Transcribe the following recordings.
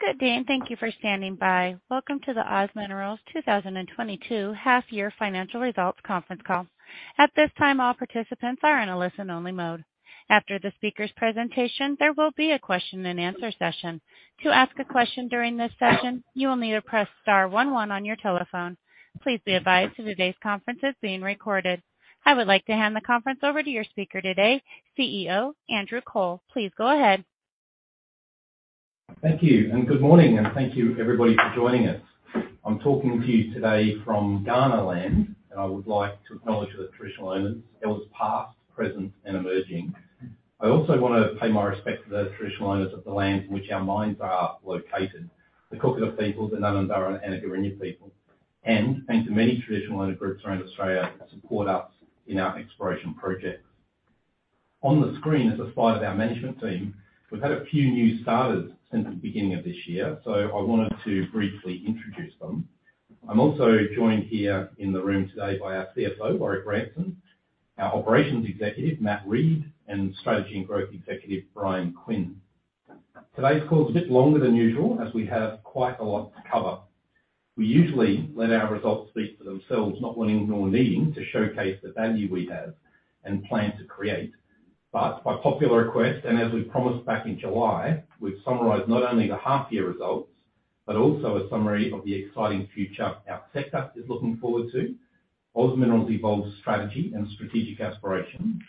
Good day, and thank you for standing by. Welcome to the OZ Minerals 2022 half-year financial results conference call. At this time, all participants are in a listen-only mode. After the speaker's presentation, there will be a question-and-answer session. To ask a question during this session, you will need to press star one one on your telephone. Please be advised that today's conference is being recorded. I would like to hand the conference over to your speaker today, CEO Andrew Cole. Please go ahead. Thank you, and good morning, and thank you everybody for joining us. I'm talking to you today from Kaurna Land, and I would like to acknowledge the traditional owners, elders past, present, and emerging. I also wanna pay my respects to the traditional owners of the lands in which our mines are located, the Kokatha people, the Ngarrindjeri people, and thank the many traditional owner groups around Australia that support us in our exploration projects. On the screen is a slide of our management team. We've had a few new starters since the beginning of this year, so I wanted to briefly introduce them. I'm also joined here in the room today by our CFO, Warrick Ranson, our Operations Executive, Matt Reed, and Strategy and Growth Executive, Bryan Quinn. Today's call is a bit longer than usual, as we have quite a lot to cover. We usually let our results speak for themselves, not wanting nor needing to showcase the value we have and plan to create. By popular request, and as we promised back in July, we've summarized not only the half-year results but also a summary of the exciting future our sector is looking forward to. OZ Minerals evolved strategy and strategic aspiration,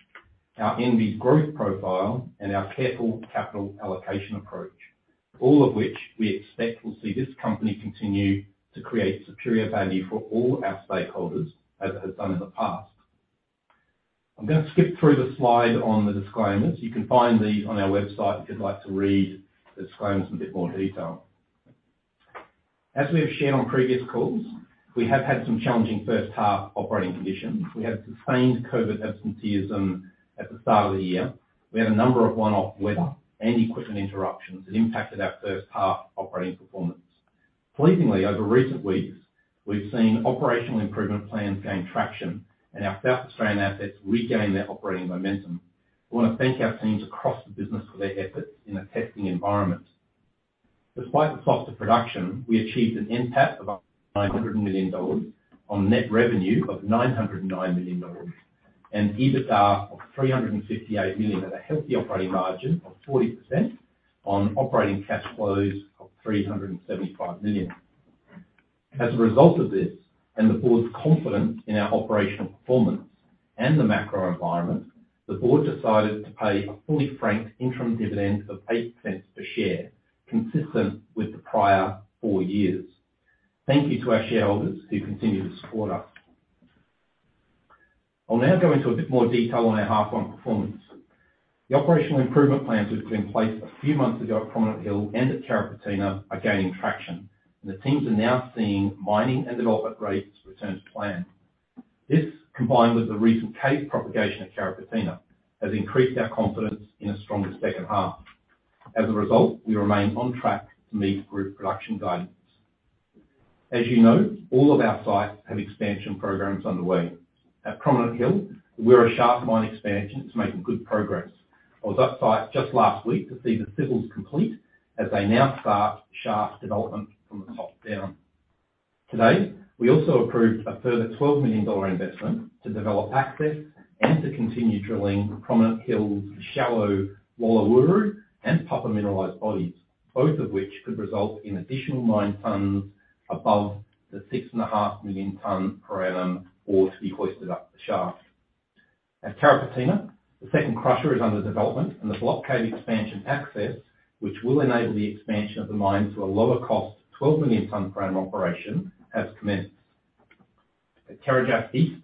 our envied growth profile, and our careful capital allocation approach. All of which we expect will see this company continue to create superior value for all our stakeholders, as it has done in the past. I'm gonna skip through the slide on the disclaimers. You can find these on our website if you'd like to read the disclaimers in a bit more detail. As we have shared on previous calls, we have had some challenging first half operating conditions. We had sustained COVID absenteeism at the start of the year. We had a number of one-off weather and equipment interruptions that impacted our first half operating performance. Pleasingly, over recent weeks, we've seen operational improvement plans gain traction and our South Australian assets regain their operating momentum. I wanna thank our teams across the business for their efforts in a testing environment. Despite the softer production, we achieved an NPAT of 900 million dollars on net revenue of 909 million dollars and EBITDA of 358 million at a healthy operating margin of 40% on operating cash flows of 375 million. As a result of this and the Board's confidence in our operational performance and the macro environment, the Board decided to pay a fully franked interim dividend of 0.08 per share, consistent with the prior four years. Thank you to our shareholders who continue to support us. I'll now go into a bit more detail on our first half performance. The operational improvement plans which were in place a few months ago at Prominent Hill and at Carrapateena are gaining traction, and the teams are now seeing mining and development rates return to plan. This, combined with the recent caving propagation at Carrapateena, has increased our confidence in a stronger second half. As a result, we remain on track to meet group production guidance. As you know, all of our sites have expansion programs underway. At Prominent Hill, we have a shaft mine expansion that's making good progress. I was on site just last week to see the civils complete as they now start shaft development from the top down. Today, we also approved a further AUD 12 million investment to develop access and to continue drilling Prominent Hill's shallow Walawuru and Papa mineralized bodies, both of which could result in additional 9 million tons above the 6.5 million ton per annum ore to be hoisted up the shaft. At Carrapateena, the second crusher is under development, and the block cave expansion access, which will enable the expansion of the mine to a lower cost, 12 million ton per annum operation, has commenced. At Carajás East,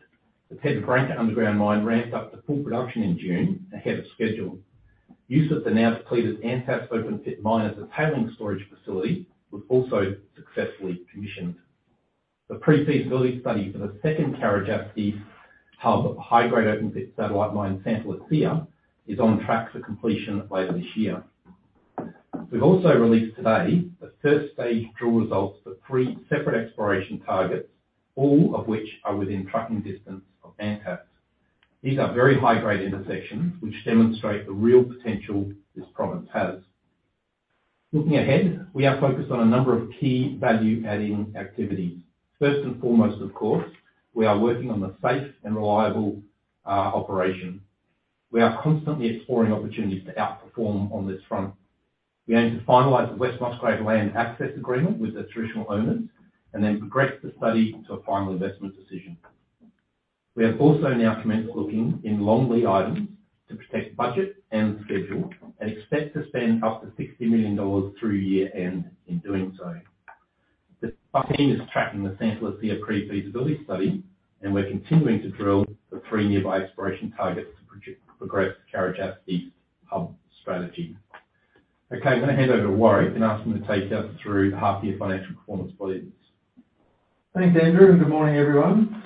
the Pedra Branca underground mine ramped up to full production in June ahead of schedule. Use of the now depleted Antas open pit mine as a tailings storage facility was also successfully commissioned. The pre-feasibility study for the second Carajás East hub high-grade open pit satellite mine, Santa Lucia, is on track for completion later this year. We've also released today the first stage drill results for three separate exploration targets, all of which are within trucking distance of Antas. These are very high-grade intersections which demonstrate the real potential this province has. Looking ahead, we are focused on a number of key value-adding activities. First and foremost, of course, we are working on a safe and reliable operation. We are constantly exploring opportunities to outperform on this front. We aim to finalize the West Musgrave land access agreement with the traditional owners and then progress the study to a final investment decision. We have also now commenced looking in long lead items to protect budget and schedule and expect to spend up to AUD 60 million through year-end in doing so. The team is tracking the Santa Lucia pre-feasibility study, and we're continuing to drill the three nearby exploration targets to progress Carajás East hub strategy. Okay, I'm gonna hand over to Warrick and ask him to take us through the half year financial performance bulletins. Thanks, Andrew, and good morning, everyone.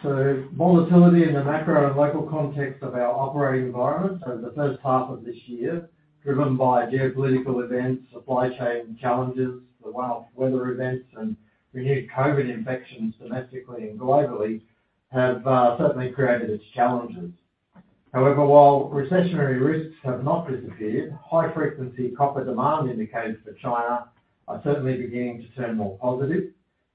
Volatility in the macro and local context of our operating environment over the first half of this year, driven by geopolitical events, supply chain challenges, the one-off weather events, and renewed COVID infections domestically and globally have certainly created its challenges. However, while recessionary risks have not disappeared, high frequency copper demand indicators for China are certainly beginning to turn more positive.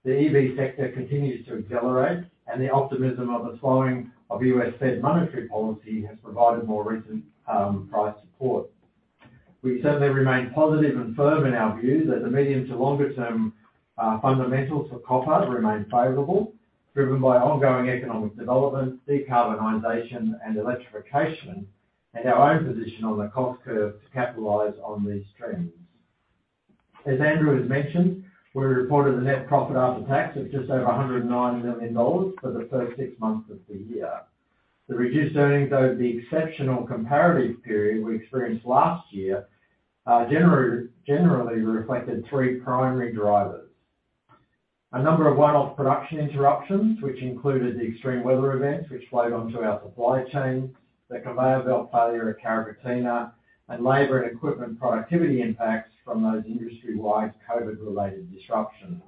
The EV sector continues to accelerate, and the optimism of the slowing of U.S. Fed monetary policy has provided more recent, price support. We certainly remain positive and firm in our view that the medium to longer term, fundamentals for copper remain favorable, driven by ongoing economic development, decarbonization and electrification, and our own position on the cost curve to capitalize on these trends. As Andrew has mentioned, we reported a net profit after tax of just over 109 million dollars for the first six months of the year. The reduced earnings over the exceptional comparative period we experienced last year, generally reflected three primary drivers. A number of one-off production interruptions, which included the extreme weather events which flowed on to our supply chain, the conveyor belt failure at Carrapateena, and labor and equipment productivity impacts from those industry-wide COVID-related disruptions.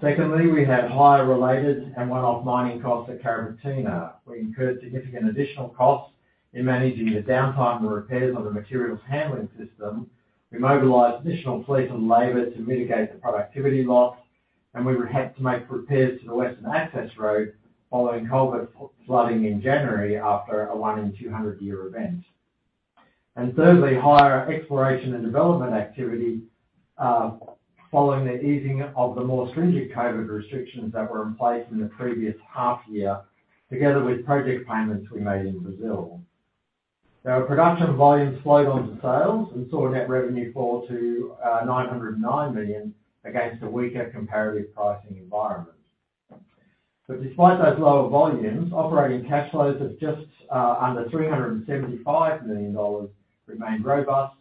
Secondly, we had higher related and one-off mining costs at Carrapateena. We incurred significant additional costs in managing the downtime and repairs of the materials handling system. We mobilized additional fleet and labor to mitigate the productivity loss, and we had to make repairs to the western access road following culvert flooding in January after a one-in-200-year event. Thirdly, higher exploration and development activity, following the easing of the more stringent COVID restrictions that were in place in the previous half year, together with project payments we made in Brazil. Now our production volumes flowed on to sales and saw a net revenue fall to 909 million against a weaker comparative pricing environment. Despite those lower volumes, operating cash flows of just under 375 million dollars remained robust,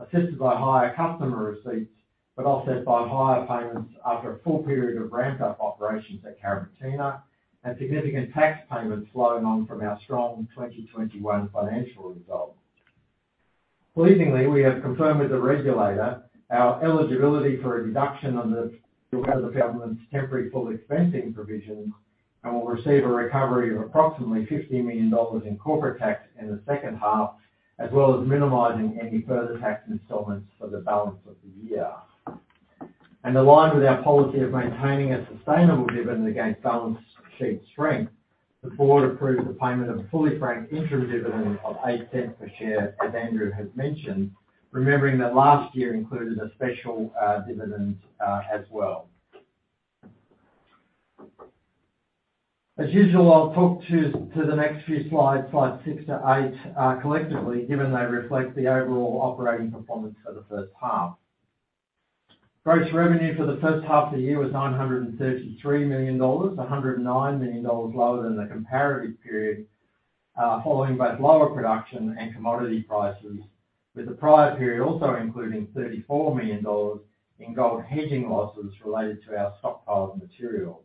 assisted by higher customer receipts, but offset by higher payments after a full period of ramp-up operations at Carrapateena, and significant tax payments flowing on from our strong 2021 financial result. Pleasingly, we have confirmed with the regulator our eligibility for a deduction under the Australian government's temporary full expensing provisions, and will receive a recovery of approximately 50 million dollars in corporate tax in the second half. As well as minimizing any further tax installments for the balance of the year. Aligned with our policy of maintaining a sustainable dividend against balance sheet strength, the board approved the payment of a fully franked interim dividend of 0.08 per share, as Andrew has mentioned, remembering that last year included a special dividend as well. As usual, I'll talk to the next few slides 6-8, collectively, given they reflect the overall operating performance for the first half. Gross revenue for the first half of the year was 933 million dollars, 109 million dollars lower than the comparative period, following both lower production and commodity prices, with the prior period also including 34 million dollars in gold hedging losses related to our stockpiled material.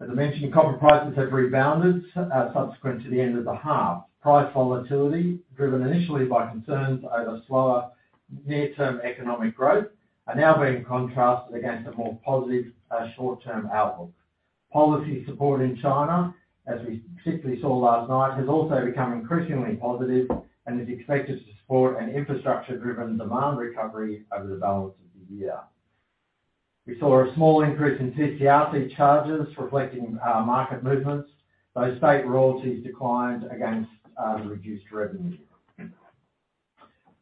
As I mentioned, copper prices have rebounded subsequent to the end of the half. Price volatility, driven initially by concerns over slower near-term economic growth, are now being contrasted against a more positive, short-term outlook. Policy support in China, as we particularly saw last night, has also become increasingly positive and is expected to support an infrastructure-driven demand recovery over the balance of the year. We saw a small increase in TCRC charges reflecting market movements, though state royalties declined against the reduced revenue.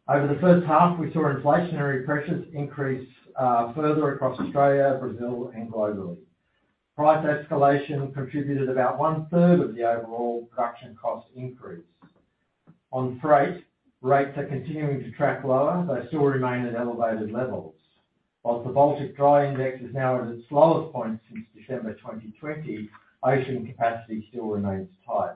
Over the first half, we saw inflationary pressures increase further across Australia, Brazil, and globally. Price escalation contributed about one-third of the overall production cost increase. On freight, rates are continuing to track lower, though still remain at elevated levels. While the Baltic Dry Index is now at its lowest point since December 2020, ocean capacity still remains tight.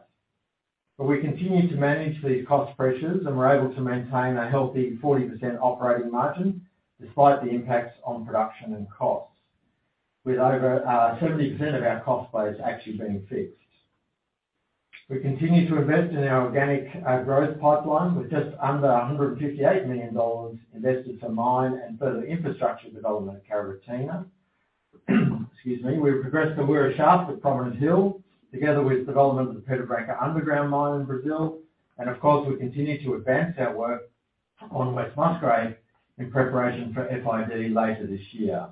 We continue to manage these cost pressures and were able to maintain a healthy 40% operating margin despite the impacts on production and costs, with over 70% of our cost base actually being fixed. We continue to invest in our organic growth pipeline with just under 158 million dollars invested for mine and further infrastructure development at Carrapateena. Excuse me. We've progressed the Wira Shaft at Prominent Hill, together with development of the Pedra Branca underground mine in Brazil, and of course, we continue to advance our work on West Musgrave in preparation for FID later this year.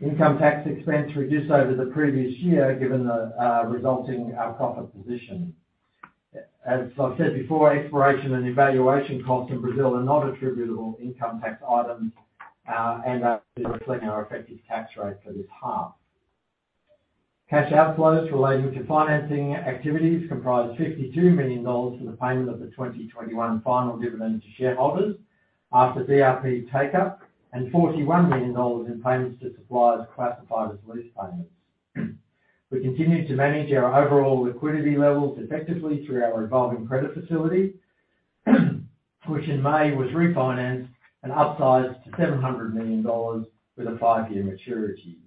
Income tax expense reduced over the previous year, given the resulting profit position. As I've said before, exploration and evaluation costs in Brazil are not attributable income tax items, and are reflected in our effective tax rate for this half. Cash outflows relating to financing activities comprised 52 million dollars for the payment of the 2021 final dividend to shareholders after DRP take-up and 41 million dollars in payments to suppliers classified as lease payments. We continue to manage our overall liquidity levels effectively through our revolving credit facility, which in May was refinanced and upsized to 700 million dollars with a five-year maturity.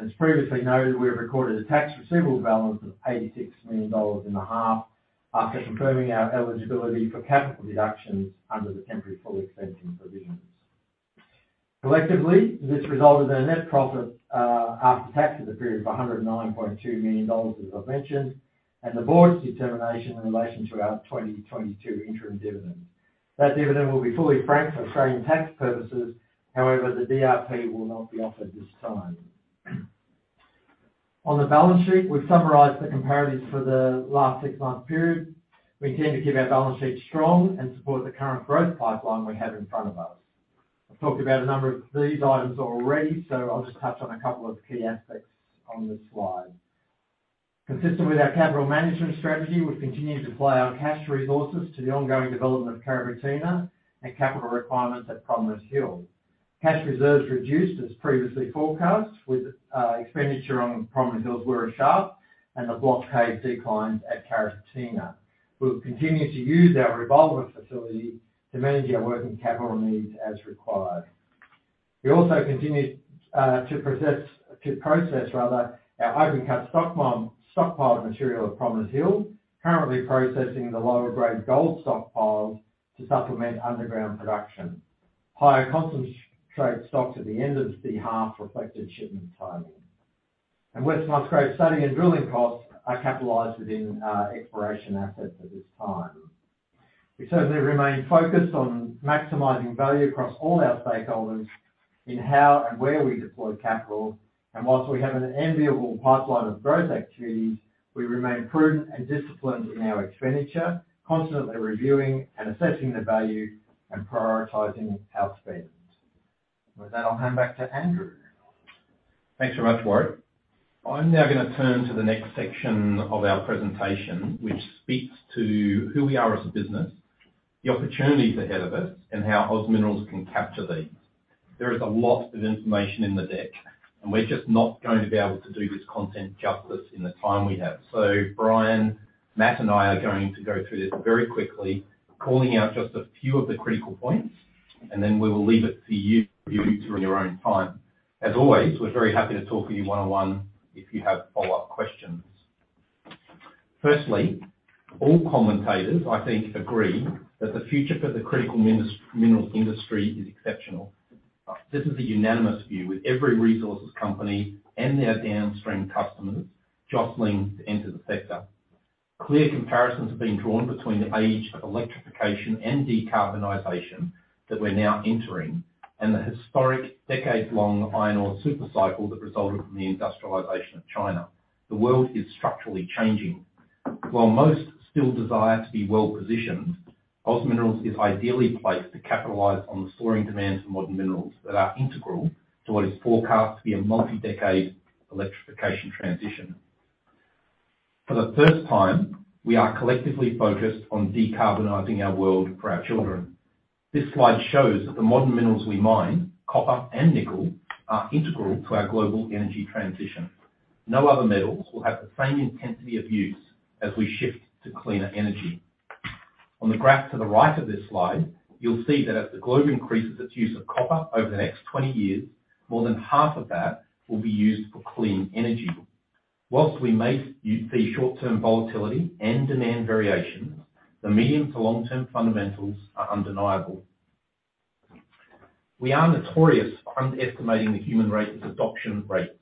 As previously noted, we have recorded a tax receivable balance of 86 million dollars in the half after confirming our eligibility for capital deductions under the temporary full expensing provisions. Collectively, this resulted in a net profit after tax for the period of 109.2 million dollars, as I've mentioned, and the board's determination in relation to our 2022 interim dividend. That dividend will be fully franked for Australian tax purposes, however, the DRP will not be offered this time. On the balance sheet, we've summarized the comparatives for the last six-month period. We intend to keep our balance sheet strong and support the current growth pipeline we have in front of us. I've talked about a number of these items already, so I'll just touch on a couple of key aspects on this slide. Consistent with our capital management strategy, we've continued to apply our cash resources to the ongoing development of Carrapateena and capital requirements at Prominent Hill. Cash reserves reduced as previously forecast with expenditure on Prominent Hill's Wira Shaft and the block cave declines at Carrapateena. We'll continue to use our revolver facility to manage our working capital needs as required. We also continued to process our open cut stockpile material at Prominent Hill, currently processing the lower grade gold stockpiles to supplement underground production. Higher concentrate stock to the end of the half, reflected shipment timing. West Musgrave study and drilling costs are capitalized within exploration assets at this time. We certainly remain focused on maximizing value across all our stakeholders in how and where we deploy capital, and whilst we have an enviable pipeline of growth activities, we remain prudent and disciplined in our expenditure, constantly reviewing and assessing the value and prioritizing our spend. With that, I'll hand back to Andrew. Thanks very much, Warrick. I'm now gonna turn to the next section of our presentation, which speaks to who we are as a business, the opportunities ahead of us, and how OZ Minerals can capture these. There is a lot of information in the deck, and we're just not going to be able to do this content justice in the time we have. Bryan, Matt, and I are going to go through this very quickly, calling out just a few of the critical points, and then we will leave it to you, to view through in your own time. As always, we're very happy to talk with you one-on-one if you have follow-up questions. Firstly, all commentators, I think, agree that the future for the critical minerals industry is exceptional. This is a unanimous view with every resources company and their downstream customers jostling to enter the sector. Clear comparisons are being drawn between the age of electrification and decarbonization that we're now entering and the historic decades-long iron ore super cycle that resulted from the industrialization of China. The world is structurally changing. While most still desire to be well-positioned, OZ Minerals is ideally placed to capitalize on the soaring demand for modern minerals that are integral to what is forecast to be a multi-decade electrification transition. For the first time, we are collectively focused on decarbonizing our world for our children. This slide shows that the modern minerals we mine, copper and nickel, are integral to our global energy transition. No other metals will have the same intensity of use as we shift to cleaner energy. On the graph to the right of this slide, you'll see that as the globe increases its use of copper over the next 20 years, more than half of that will be used for clean energy. While we may see short-term volatility and demand variations, the medium to long-term fundamentals are undeniable. We are notorious for underestimating the human race's adoption rates.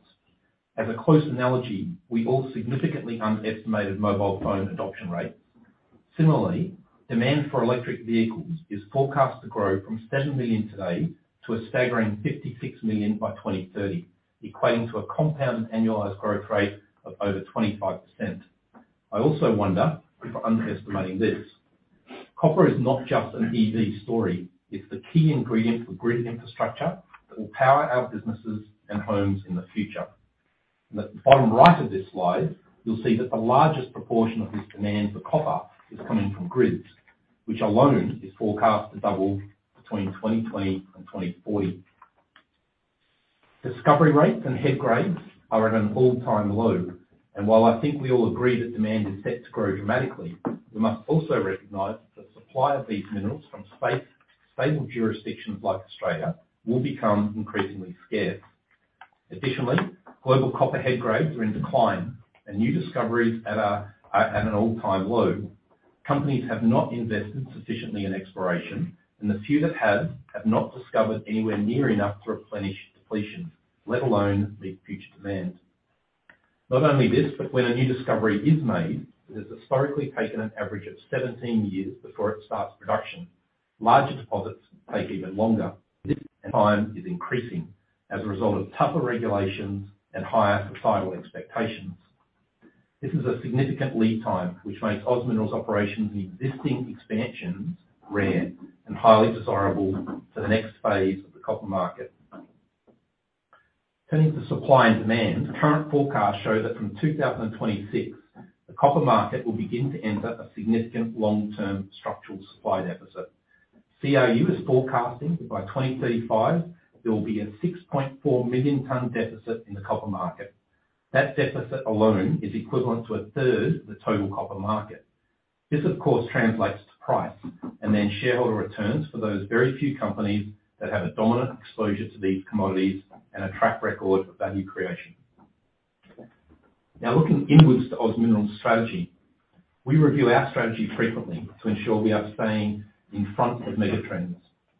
As a close analogy, we all significantly underestimated mobile phone adoption rates. Similarly, demand for electric vehicles is forecast to grow from 7 million today to a staggering 56 million by 2030, equating to a compound annualized growth rate of over 25%. I also wonder if we're underestimating this. Copper is not just an EV story. It's the key ingredient for grid infrastructure that will power our businesses and homes in the future. In the bottom right of this slide, you'll see that the largest proportion of this demand for copper is coming from grids, which alone is forecast to double between 2020 and 2040. Discovery rates and head grades are at an all-time low, and while I think we all agree that demand is set to grow dramatically, we must also recognize that supply of these minerals from stable jurisdictions like Australia will become increasingly scarce. Additionally, global copper head grades are in decline, and new discoveries at an all-time low. Companies have not invested sufficiently in exploration, and the few that have not discovered anywhere near enough to replenish depletions, let alone meet future demand. Not only this, but when a new discovery is made, it has historically taken an average of 17 years before it starts production. Larger deposits take even longer. This time is increasing as a result of tougher regulations and higher societal expectations. This is a significant lead time, which makes OZ Minerals operations and existing expansions rare and highly desirable for the next phase of the copper market. Turning to supply and demand, the current forecasts show that from 2026, the copper market will begin to enter a significant long-term structural supply deficit. CRU is forecasting that by 2035, there will be a 6.4 million ton deficit in the copper market. That deficit alone is equivalent to a third of the total copper market. This, of course, translates to price and then shareholder returns for those very few companies that have a dominant exposure to these commodities and a track record of value creation. Now looking inwards to OZ Minerals' strategy. We review our strategy frequently to ensure we are staying in front of mega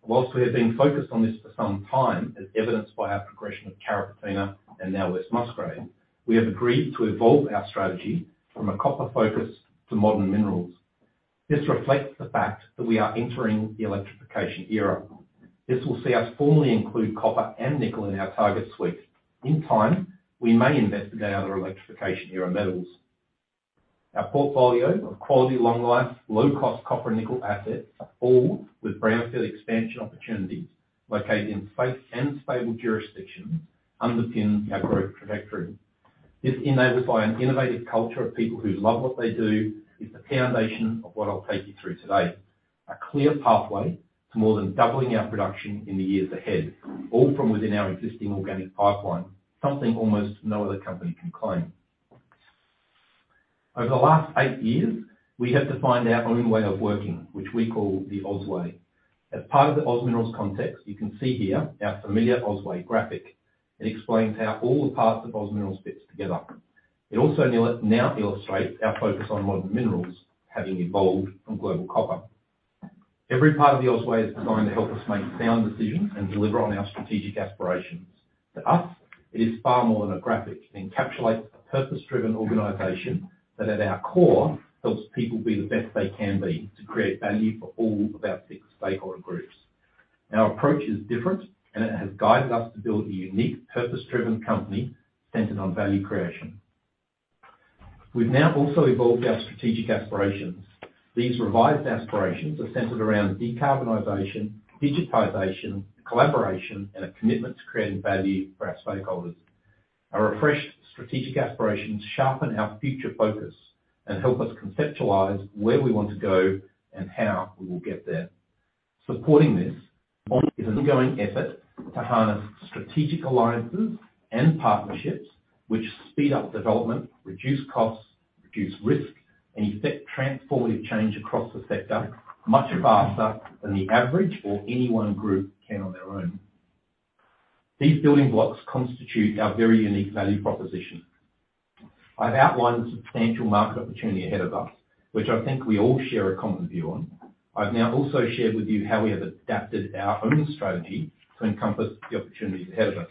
trends. While we have been focused on this for some time, as evidenced by our progression of Carrapateena and now West Musgrave, we have agreed to evolve our strategy from a copper focus to modern minerals. This reflects the fact that we are entering the electrification era. This will see us formally include copper and nickel in our target suite. In time, we may invest in our other electrification era metals. Our portfolio of quality, long life, low cost copper and nickel assets are full with brownfield expansion opportunities located in safe and stable jurisdictions underpin our growth trajectory. This, enabled by an innovative culture of people who love what they do, is the foundation of what I'll take you through today. A clear pathway to more than doubling our production in the years ahead, all from within our existing organic pipeline, something almost no other company can claim. Over the last eight years, we have defined our own way of working, which we call the OZ Way. As part of the OZ Minerals context, you can see here our familiar OZ Way graphic. It explains how all the parts of OZ Minerals fits together. It also now illustrates our focus on modern minerals, having evolved from global copper. Every part of the OZ Way is designed to help us make sound decisions and deliver on our strategic aspirations. To us, it is far more than a graphic. It encapsulates a purpose-driven organization that, at our core, helps people be the best they can be to create value for all of our six stakeholder groups. Our approach is different, and it has guided us to build a unique, purpose-driven company centered on value creation. We've now also evolved our strategic aspirations. These revised aspirations are centered around decarbonization, digitization, collaboration, and a commitment to creating value for our stakeholders. Our refreshed strategic aspirations sharpen our future focus and help us conceptualize where we want to go and how we will get there. Supporting this is an ongoing effort to harness strategic alliances and partnerships which speed up development, reduce costs, reduce risk, and effect transformative change across the sector much faster than the average or any one group can on their own. These building blocks constitute our very unique value proposition. I've outlined the substantial market opportunity ahead of us, which I think we all share a common view on. I've now also shared with you how we have adapted our own strategy to encompass the opportunities ahead of us.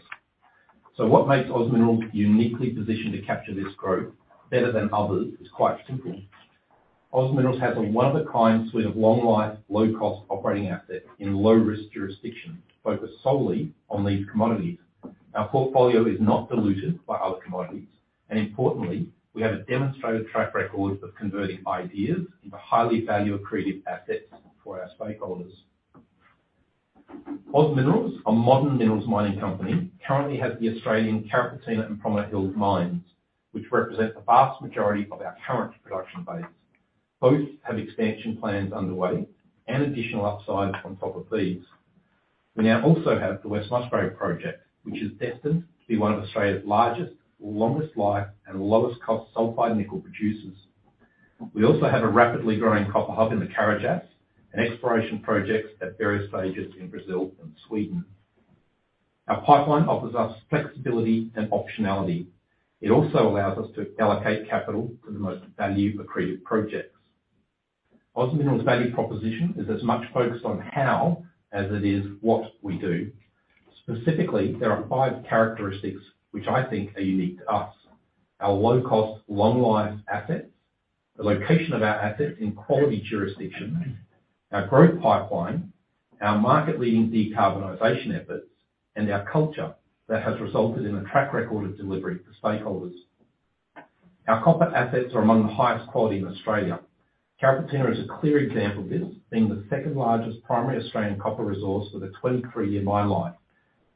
What makes OZ Minerals uniquely positioned to capture this growth better than others is quite simple. OZ Minerals has a one of a kind suite of long life, low cost operating assets in low risk jurisdictions, focused solely on these commodities. Our portfolio is not diluted by other commodities, and importantly, we have a demonstrated track record of converting ideas into highly value-accretive assets for our stakeholders. OZ Minerals, a modern minerals mining company, currently has the Australian Carrapateena and Prominent Hill mines, which represent the vast majority of our current production base. Both have expansion plans underway and additional upside on top of these. We now also have the West Musgrave project, which is destined to be one of Australia's largest, longest life, and lowest cost sulfide nickel producers. We also have a rapidly growing copper hub in the Carajás and exploration projects at various stages in Brazil and Sweden. Our pipeline offers us flexibility and optionality. It also allows us to allocate capital to the most value-accretive projects. OZ Minerals' value proposition is as much focused on how as it is what we do. Specifically, there are five characteristics which I think are unique to us. Our low cost, long life assets, the location of our assets in quality jurisdictions, our growth pipeline, our market-leading decarbonization efforts, and our culture that has resulted in a track record of delivery for stakeholders. Our copper assets are among the highest quality in Australia. Carrapateena is a clear example of this, being the second-largest primary Australian copper resource with a 23-year mine life.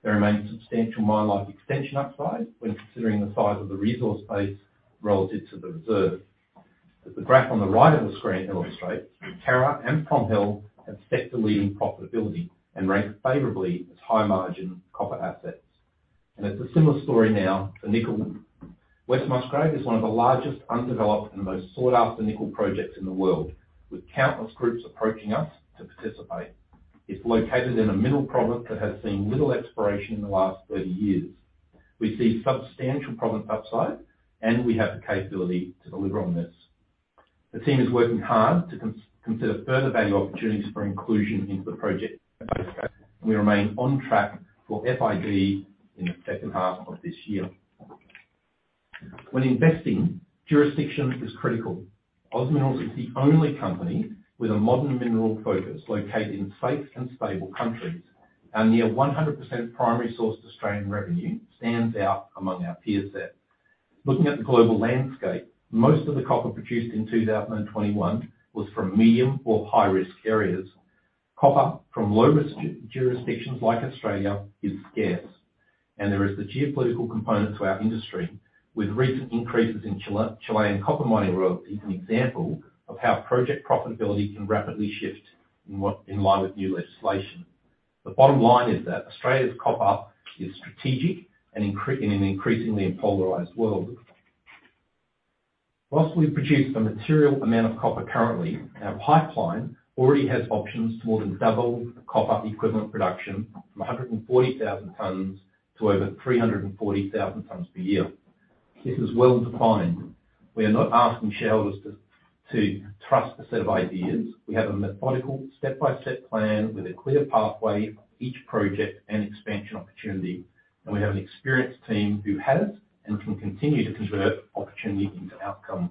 There remains substantial mine life extension upside when considering the size of the resource base relative to the reserve. As the graph on the right of the screen illustrates, Carrapateena and Prominent Hill have sector-leading profitability and rank favorably as high-margin copper assets. It's a similar story now for nickel. West Musgrave is one of the largest undeveloped and most sought-after nickel projects in the world, with countless groups approaching us to participate. It's located in a middle province that has seen little exploration in the last 30 years. We see substantial province upside, and we have the capability to deliver on this. The team is working hard to consider further value opportunities for inclusion into the project, and we remain on track for FID in the second half of this year. When investing, jurisdiction is critical. OZ Minerals is the only company with a modern mineral focus located in safe and stable countries. Our near 100% primary sourced Australian revenue stands out among our peer set. Looking at the global landscape, most of the copper produced in 2021 was from medium or high-risk areas. Copper from low-risk jurisdictions like Australia is scarce, and there is the geopolitical component to our industry, with recent increases in Chilean copper mining royalties an example of how project profitability can rapidly shift in line with new legislation. The bottom line is that Australia's copper is strategic and in an increasingly polarized world. While we produce a material amount of copper currently, our pipeline already has options to more than double the copper equivalent production from 140,000 tons to over 340,000 tons per year. This is well-defined. We are not asking shareholders to trust a set of ideas. We have a methodical step-by-step plan with a clear pathway for each project and expansion opportunity, and we have an experienced team who has and can continue to convert opportunity into outcome.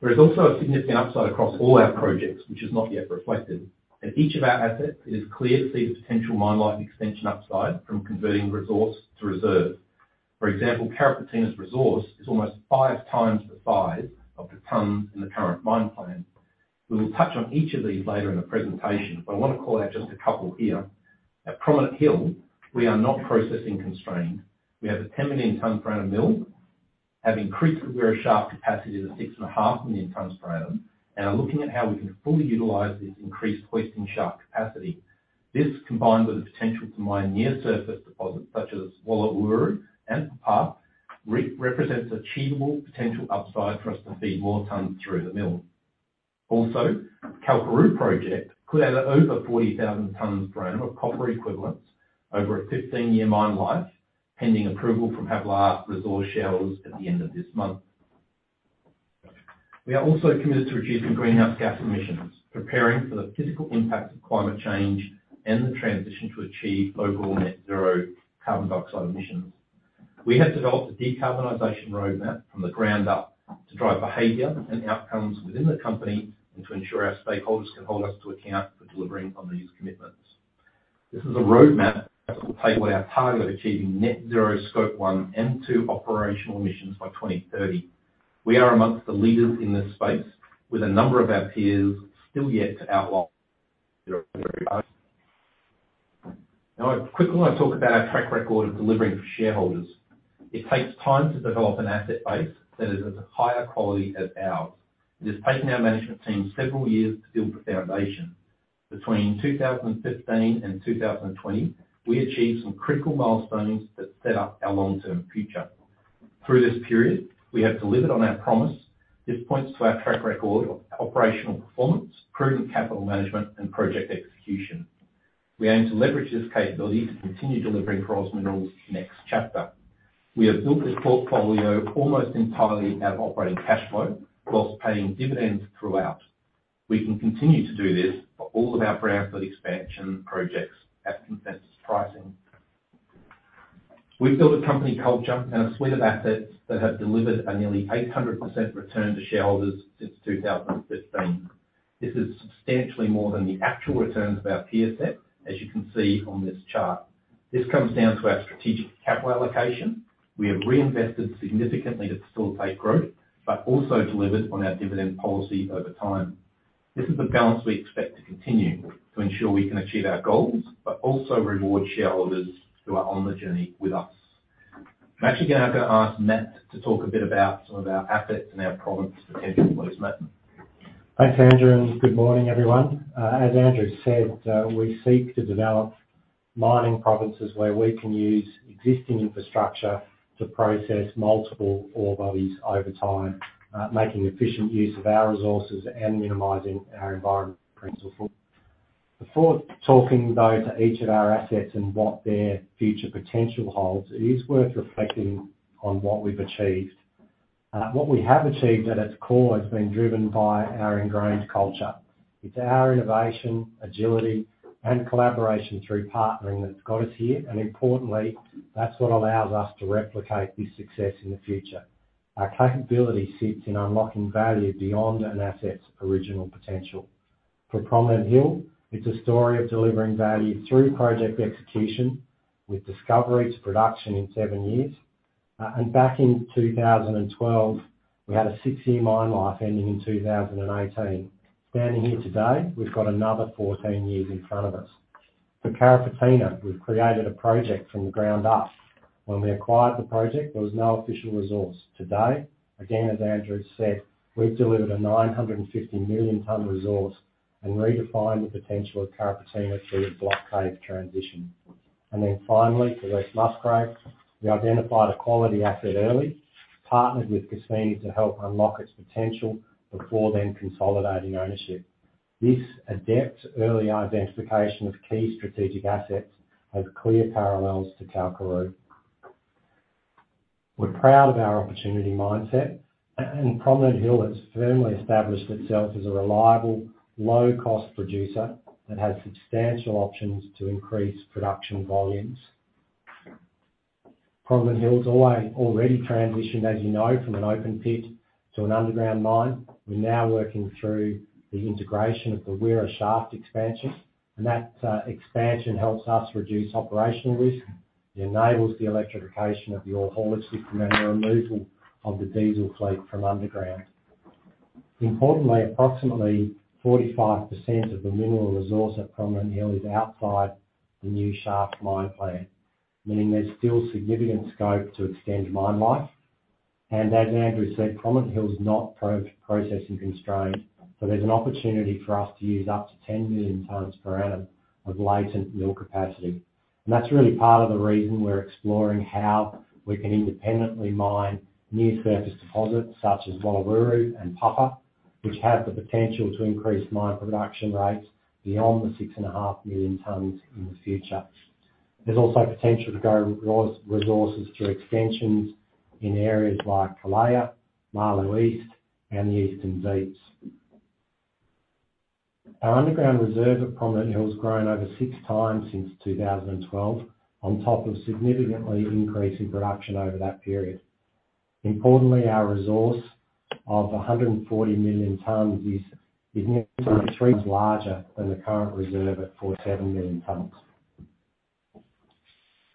There is also a significant upside across all our projects, which is not yet reflected. At each of our assets, it is clear to see the potential mine life extension upside from converting resource to reserve. For example, Carrapateena's resource is almost 5x the size of the ton in the current mine plan. We will touch on each of these later in the presentation, but I wanna call out just a couple here. At Prominent Hill, we are not processing constrained. We have a 10 million ton per annum mill, have increased the Wira Shaft capacity to 6.5 million tons per annum, and are looking at how we can fully utilize this increased Wira Shaft capacity. This, combined with the potential to mine near surface deposits such as Walawuru and Papa, represents achievable potential upside for us to feed more tons through the mill. Also, Kalkaroo Project could add over 40,000 tons per annum of copper equivalents over a 15-year mine life, pending approval from Havilah Resources shareholders at the end of this month. We are also committed to reducing greenhouse gas emissions, preparing for the physical impact of climate change and the transition to achieve overall net zero carbon dioxide emissions. We have developed a decarbonization roadmap from the ground up to drive behavior and outcomes within the company and to ensure our stakeholders can hold us to account for delivering on these commitments. This is a roadmap that will take our target of achieving net zero scope one and two operational emissions by 2030. We are among the leaders in this space, with a number of our peers still yet to outline their progress. Now I quickly want to talk about our track record of delivering for shareholders. It takes time to develop an asset base that is as high a quality as ours. It has taken our management team several years to build the foundation. Between 2015 and 2020, we achieved some critical milestones that set up our long-term future. Through this period, we have delivered on our promise. This points to our track record of operational performance, prudent capital management, and project execution. We aim to leverage this capability to continue delivering for OZ Minerals' next chapter. We have built this portfolio almost entirely out of operating cash flow while paying dividends throughout. We can continue to do this for all of our brownfield expansion projects at consensus pricing. We've built a company culture and a suite of assets that have delivered a nearly 800% return to shareholders since 2015. This is substantially more than the actual returns of our peer set, as you can see on this chart. This comes down to our strategic capital allocation. We have reinvested significantly to facilitate growth, but also delivered on our dividend policy over time. This is the balance we expect to continue to ensure we can achieve our goals, but also reward shareholders who are on the journey with us. I'm actually gonna have to ask Matt to talk a bit about some of our assets and our province potential, please, Matt. Thanks, Andrew, and good morning, everyone. As Andrew said, we seek to develop mining provinces where we can use existing infrastructure to process multiple ore bodies over time, making efficient use of our resources and minimizing our environmental footprint. Before talking, though, to each of our assets and what their future potential holds, it is worth reflecting on what we've achieved. What we have achieved at its core has been driven by our ingrained culture. It's our innovation, agility, and collaboration through partnering that's got us here, and importantly, that's what allows us to replicate this success in the future. Our capability sits in unlocking value beyond an asset's original potential. For Prominent Hill, it's a story of delivering value through project execution with discovery to production in seven years. Back in 2012, we had a six-year mine life ending in 2018. Standing here today, we've got another 14 years in front of us. For Carrapateena, we've created a project from the ground up. When we acquired the project, there was no official resource. Today, again, as Andrew said, we've delivered a 950 million ton resource and redefined the potential of Carrapateena through block caving transition. Finally, for West Musgrave, we identified a quality asset early, partnered with Cassini to help unlock its potential before then consolidating ownership. This adept early identification of key strategic assets has clear parallels to Kalkaroo. We're proud of our opportunity mindset. In Prominent Hill, it's firmly established itself as a reliable, low-cost producer that has substantial options to increase production volumes. Prominent Hill has already transitioned, as you know, from an open pit to an underground mine. We're now working through the integration of the Wira Shaft expansion, and that expansion helps us reduce operational risk. It enables the electrification of the ore hauling system and the removal of the diesel fleet from underground. Importantly, approximately 45% of the mineral resource at Prominent Hill is outside the new shaft mine plan, meaning there's still significant scope to extend mine life. As Andrew said, Prominent Hill is not ore-processing constrained, so there's an opportunity for us to use up to 10 million tons per annum of latent mill capacity. That's really part of the reason we're exploring how we can independently mine new surface deposits such as Walawuru and Papa, which have the potential to increase mine production rates beyond the 6.5 million tons in the future. There's also potential to grow resources through extensions in areas like Kalaya, Malu East, and the Eastern Deeps. Our underground reserve at Prominent Hill has grown over six times since 2012, on top of significantly increasing production over that period. Importantly, our resource of 140 million tons is nearly three times larger than the current reserve at 470 million tons.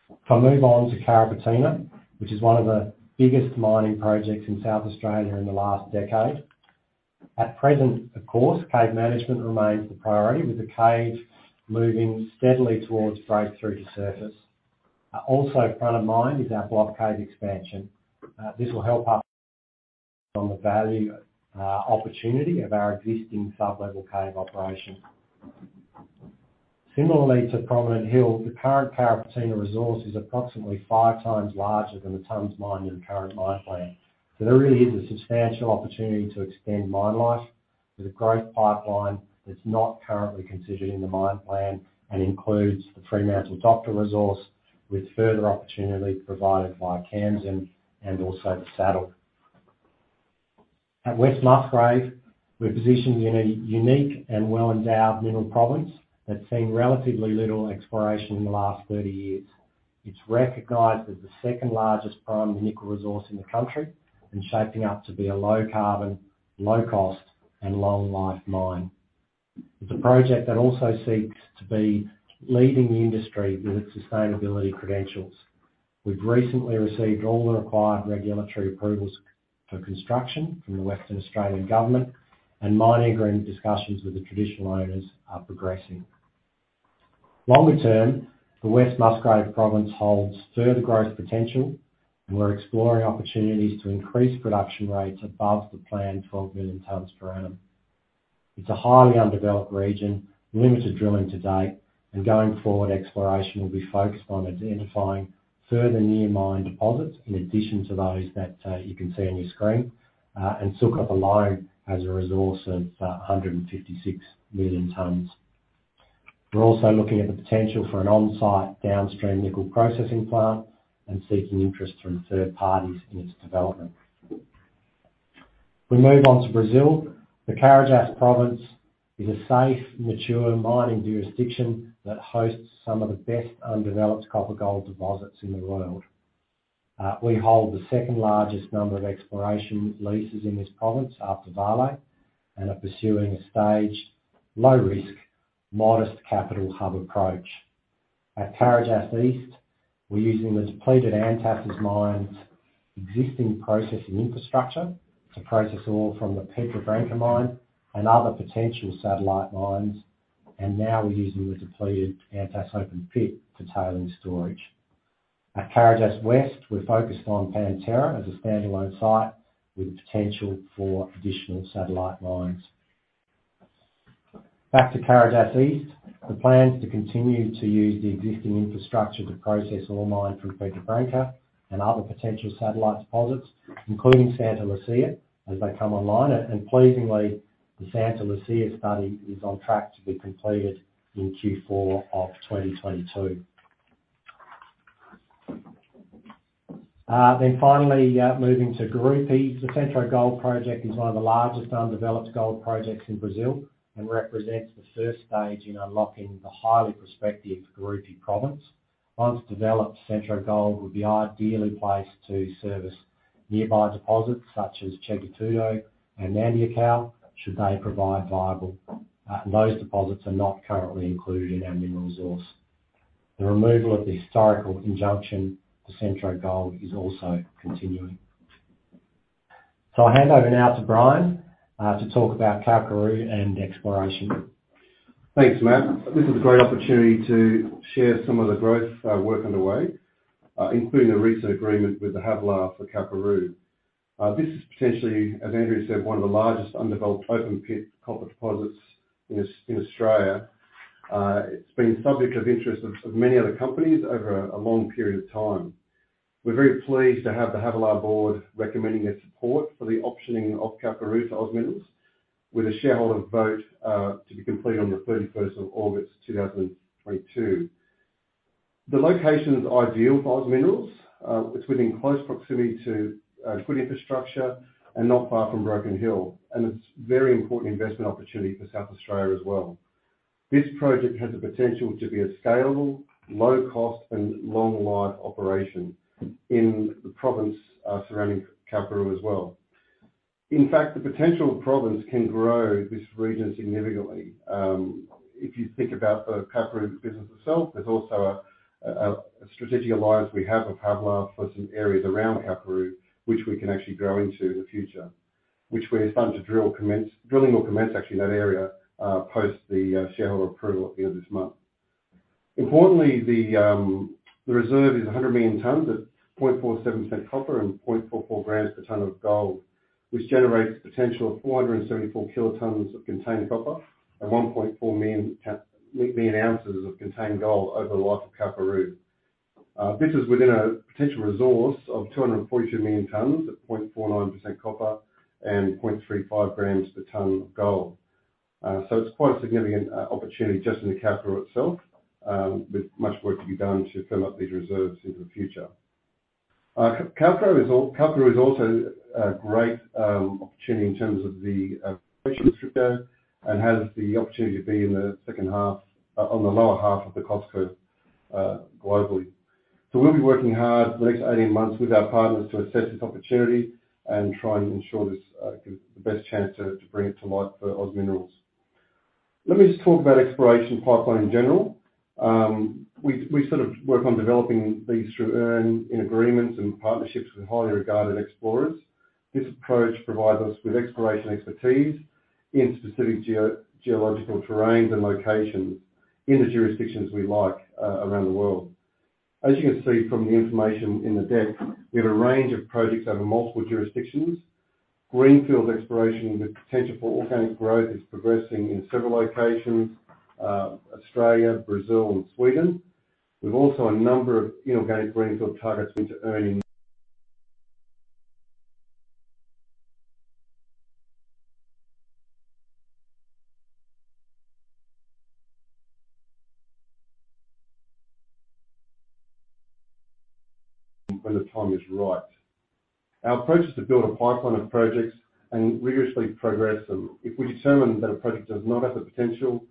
If I move on to Carrapateena, which is one of the biggest mining projects in South Australia in the last decade. At present, of course, cave management remains the priority, with the cave moving steadily towards breakthrough to surface. Also front of mind is our block cave expansion. This will help us on the value, opportunity of our existing sub-level cave operation. Similarly to Prominent Hill, the current Carrapateena resource is approximately five times larger than the tons mined in the current mine plan. There really is a substantial opportunity to extend mine life with a growth pipeline that's not currently considered in the mine plan, and includes the Three Mounts and Fremantle Doctor resource, with further opportunity provided by Camden and also The Saddle. At West Musgrave, we're positioned in a unique and well-endowed mineral province that's seen relatively little exploration in the last 30 years. It's recognized as the second-largest prime nickel resource in the country and shaping up to be a low-carbon, low-cost, and long-life mine. It's a project that also seeks to be leading the industry with its sustainability credentials. We've recently received all the required regulatory approvals for construction from the Western Australian Government and mining agreement discussions with the traditional owners are progressing. Longer term, the West Musgrave province holds further growth potential, and we're exploring opportunities to increase production rates above the planned 12 million tons per annum. It's a highly undeveloped region with limited drilling to date, and going forward, exploration will be focused on identifying further near mine deposits in addition to those that you can see on your screen, and Succoth alone as a resource of 156 million tons. We're also looking at the potential for an on-site downstream nickel processing plant and seeking interest from third parties in its development. If we move on to Brazil, the Carajás province is a safe, mature mining jurisdiction that hosts some of the best undeveloped copper-gold deposits in the world. We hold the second-largest number of exploration leases in this province after Vale and are pursuing a staged, low risk, modest capital hub approach. At Carajás East, we're using the depleted Antas mine's existing processing infrastructure to process ore from the Pedra Branca mine and other potential satellite mines, and now we're using the depleted Antas open pit for tailings storage. At Carajás West, we're focused on Pantera as a standalone site with potential for additional satellite mines. Back to Carajás East, the plan is to continue to use the existing infrastructure to process ore mined from Pedra Branca and other potential satellite deposits, including Santa Lucia, as they come online. Pleasingly, the Santa Lucia study is on track to be completed in Q4 of 2022. Moving to Gurupi. The CentroGold project is one of the largest undeveloped gold projects in Brazil and represents the first stage in unlocking the highly prospective Gurupi province. Once developed, CentroGold will be ideally placed to service nearby deposits such as Chega Tudo and Nhandiaquara, should they provide viable. Those deposits are not currently included in our mineral resource. The removal of the historical injunction to CentroGold is also continuing. I'll hand over now to Bryan, to talk about Kalkaroo and exploration. Thanks, Matt. This is a great opportunity to share some of the growth work underway, including the recent agreement with the Havilah for Kalkaroo. This is potentially, as Andrew said, one of the largest undeveloped open-pit copper deposits in Australia. It's been subject of interest of many other companies over a long period of time. We're very pleased to have the Havilah board recommending its support for the optioning of Kalkaroo to OZ Minerals, with a shareholder vote to be completed on the thirty-first of August 2022. The location is ideal for OZ Minerals. It's within close proximity to good infrastructure and not far from Broken Hill, and it's a very important investment opportunity for South Australia as well. This project has the potential to be a scalable, low-cost, and long-life operation in the province surrounding Kalkaroo as well. In fact, the potential province can grow this region significantly. If you think about the Kalkaroo business itself, there's also a strategic alliance we have with Havilah for some areas around Kalkaroo, which we can actually grow into the future. Drilling will commence actually in that area post the shareholder approval at the end of this month. Importantly, the reserve is 100 million tons at 0.47% copper and 0.44 g per ton of gold, which generates a potential of 474 kt of contained copper and 1.4 million oz of contained gold over the life of Kalkaroo. This is within a potential resource of 242 million tons at 0.49% copper and 0.35 grams per ton of gold. It's quite a significant opportunity just in the Kalkaroo itself, with much work to be done to firm up these reserves into the future. Kalkaroo is also a great opportunity in terms of the and has the opportunity to be in the second half, on the lower half of the cost curve, globally. We'll be working hard for the next 18 months with our partners to assess this opportunity and try and ensure this the best chance to bring it to life for OZ Minerals. Let me just talk about exploration pipeline in general. We sort of work on developing these through earn-in agreements and partnerships with highly regarded explorers. This approach provides us with exploration expertise in specific geo-geological terrains and locations in the jurisdictions we like, around the world. As you can see from the information in the deck, we have a range of projects over multiple jurisdictions. Greenfield exploration with potential for organic growth is progressing in several locations, Australia, Brazil, and Sweden. We've also a number of inorganic greenfield targets which are earning when the time is right. Our approach is to build a pipeline of projects and rigorously progress them. If we determine that a project does not have the potential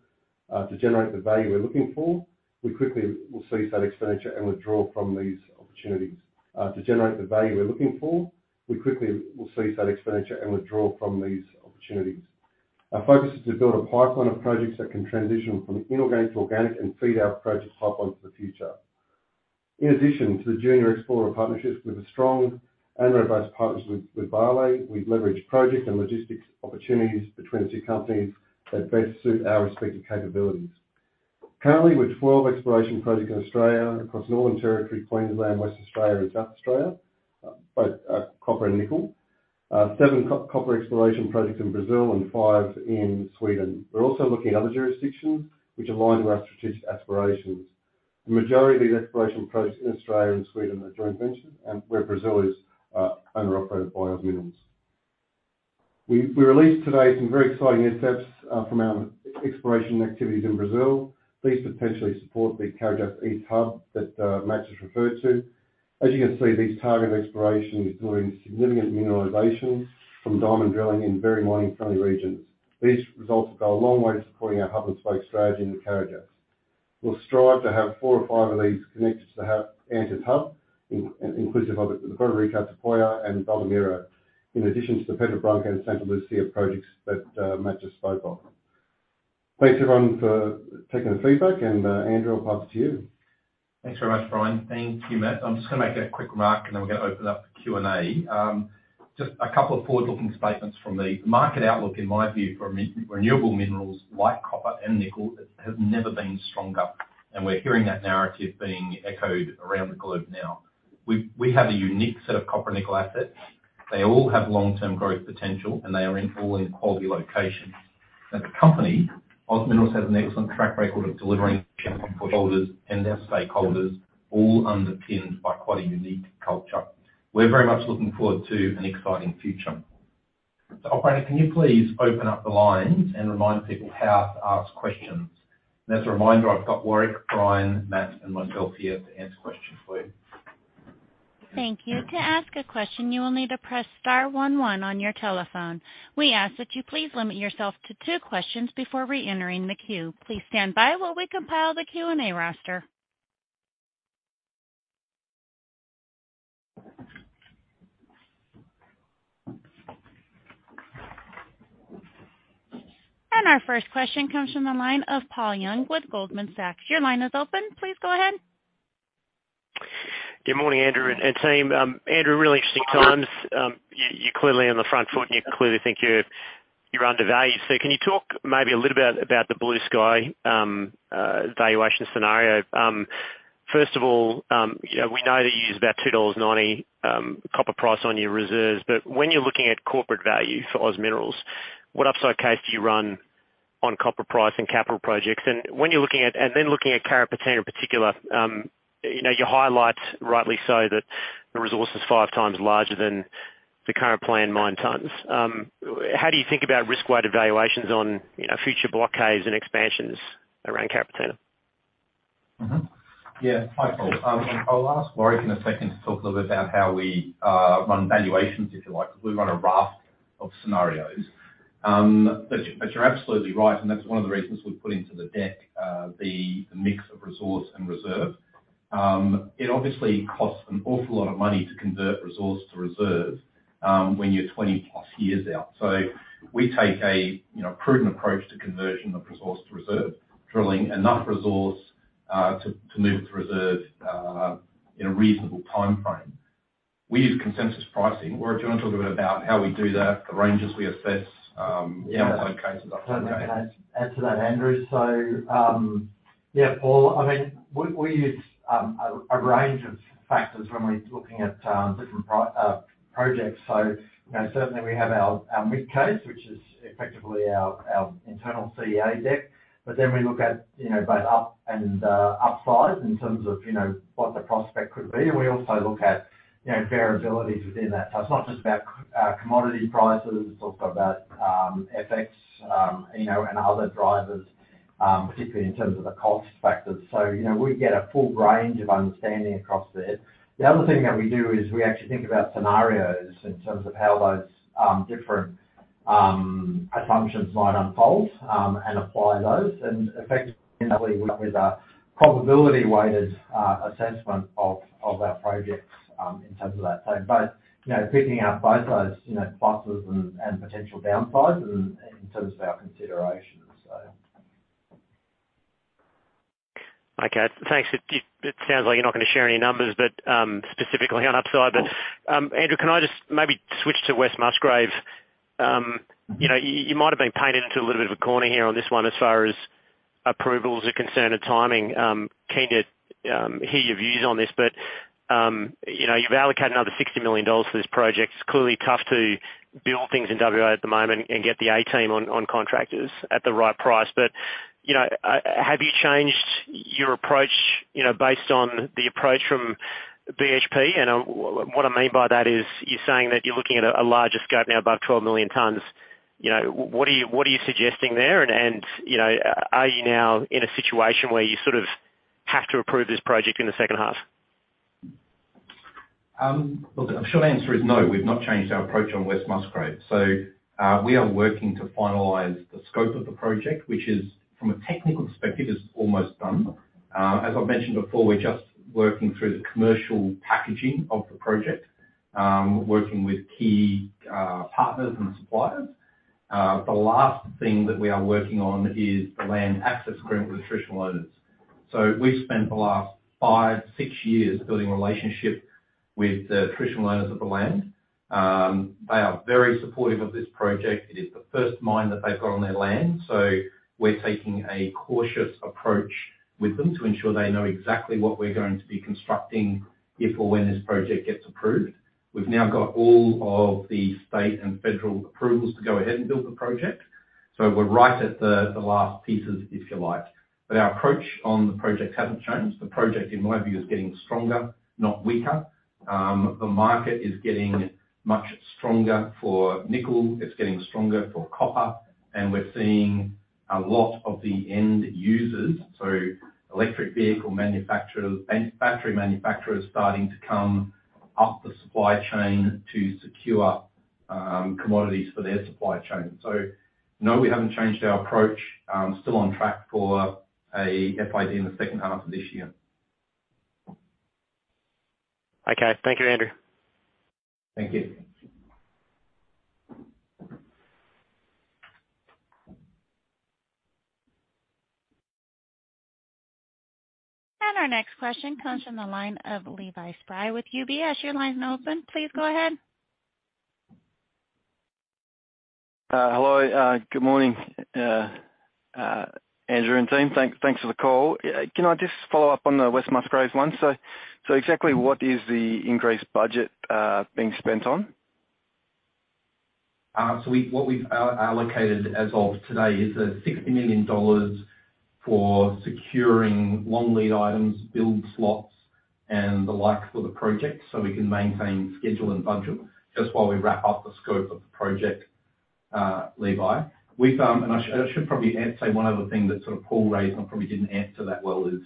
to generate the value we're looking for, we quickly will cease that expenditure and withdraw from these opportunities. Our focus is to build a pipeline of projects that can transition from inorganic to organic and feed our projects pipeline for the future. In addition to the junior explorer partnerships with a strong and revised partnership with Vale, we've leveraged project and logistics opportunities between the two companies that best suit our respective capabilities. Currently, with 12 exploration projects in Australia across Northern Territory, Queensland, Western Australia, and South Australia, both copper and nickel. Seven copper exploration projects in Brazil and five in Sweden. We're also looking at other jurisdictions which align with our strategic aspirations. The majority of these exploration projects in Australia and Sweden are joint venture, and where Brazil is owner operated by OZ Minerals. We released today some very exciting intercepts from our exploration activities in Brazil. These potentially support the Carajás East hub that Matt just referred to. As you can see, these target exploration is showing significant mineralization from diamond drilling in very mining-friendly regions. These results go a long way to supporting our hub and spoke strategy in the Carajás. We'll strive to have 4 or 5 of these connected to have Antas hub, inclusive of the Porto Rico, Tapajós, and Belmiro, in addition to the Pedra Branca and Santa Lucia projects that Matt just spoke of. Thanks, everyone, for taking the feedback. Andrew, I'll pass it to you. Thanks very much, Bryan. Thank you, Matt. I'm just gonna make a quick mark and then we're gonna open up the Q&A. Just a couple of forward-looking statements from me. Market outlook, in my view, for renewable minerals like copper and nickel has never been stronger, and we're hearing that narrative being echoed around the globe now. We have a unique set of copper and nickel assets. They all have long-term growth potential, and they are all in quality locations. As a company, OZ Minerals has an excellent track record of delivering shareholders and their stakeholders, all underpinned by quite a unique culture. We're very much looking forward to an exciting future. Operator, can you please open up the lines and remind people how to ask questions? As a reminder, I've got Warrick, Bryan, Matt, and myself here to answer questions for you. Thank you. To ask a question, you will need to press star one one on your telephone. We ask that you please limit yourself to two questions before reentering the queue. Please stand by while we compile the Q&A roster. Our first question comes from the line of Paul Young with Goldman Sachs. Your line is open. Please go ahead. Good morning, Andrew and team. Andrew, really interesting times. You're clearly on the front foot, and you clearly think you're undervalued. Can you talk maybe a little bit about the blue sky valuation scenario? First of all, you know, we know that you use about 2.90 dollars copper price on your reserves. When you're looking at corporate value for OZ Minerals, what upside case do you run on copper price and capital projects? Then looking at Carrapateena in particular, you know, you highlight, rightly so, that the resource is 5x larger than the current plan mined tons. How do you think about risk-weighted valuations on, you know, future block caves and expansions around Carrapateena? Yeah. Hi, Paul. I'll ask Warrick in a second to talk a little bit about how we run valuations, if you like, because we run a raft of scenarios. But you're absolutely right, and that's one of the reasons we put into the deck the mix of resource and reserve. It obviously costs an awful lot of money to convert resource to reserve when you're 20+ years out. We take a prudent approach to conversion of resource to reserve, drilling enough resource to move to reserve in a reasonable timeframe. We use consensus pricing. Or if you want to talk a bit about how we do that, the ranges we assess, you know, those cases. Yeah. I'll add to that, Andrew. Yeah, Paul, I mean, we use a range of factors when we're looking at different projects. You know, certainly we have our mid case, which is effectively our internal CEA deck. We look at, you know, both up and upside in terms of, you know, what the prospect could be. We also look at, you know, variabilities within that. It's not just about commodity prices, it's also about FX, you know, and other drivers, particularly in terms of the cost factors. You know, we get a full range of understanding across there. The other thing that we do is we actually think about scenarios in terms of how those different assumptions might unfold, and apply those. Effectively end up with a probability-weighted assessment of our projects in terms of that. Both, you know, picking up both those, you know, pluses and potential downsides in terms of our considerations. Okay. Thanks. It sounds like you're not gonna share any numbers, but specifically on upside. Andrew, can I just maybe switch to West Musgrave? You know, you might have been painted into a little bit of a corner here on this one as far as approvals are concerned and timing. Keen to hear your views on this. You know, you've allocated another 60 million dollars to this project. It's clearly tough to build things in WA at the moment and get the A team on contractors at the right price. You know, have you changed your approach based on the approach from BHP? What I mean by that is you're saying that you're looking at a larger scope now, above 12 million tons. You know, what are you suggesting there? You know, are you now in a situation where you sort of have to approve this project in the second half? Look, the short answer is no, we've not changed our approach on West Musgrave. We are working to finalize the scope of the project, which, from a technical perspective, is almost done. As I've mentioned before, we're just working through the commercial packaging of the project, working with key partners and suppliers. The last thing that we are working on is the land access agreement with the traditional owners. We've spent the last five, six years building a relationship with the traditional owners of the land. They are very supportive of this project. It is the first mine that they've got on their land, so we're taking a cautious approach with them to ensure they know exactly what we're going to be constructing if or when this project gets approved. We've now got all of the state and federal approvals to go ahead and build the project, so we're right at the last pieces, if you like. Our approach on the project hasn't changed. The project, in my view, is getting stronger, not weaker. The market is getting much stronger for nickel, it's getting stronger for copper, and we're seeing a lot of the end users, so electric vehicle manufacturers and battery manufacturers starting to come up the supply chain to secure, commodities for their supply chain. No, we haven't changed our approach. Still on track for a FID in the second half of this year. Okay. Thank you, Andrew. Thank you. Our next question comes from the line of Levi Spry with UBS. Your line is now open. Please go ahead. Hello. Good morning, Andrew and team. Thanks for the call. Can I just follow up on the West Musgrave one? Exactly what is the increased budget being spent on? What we've allocated as of today is 60 million dollars for securing long lead items, build slots and the like for the project so we can maintain schedule and budget, just while we wrap up the scope of the project, Levi. I should probably add, say one other thing that sort of Paul raised, and I probably didn't answer that well is.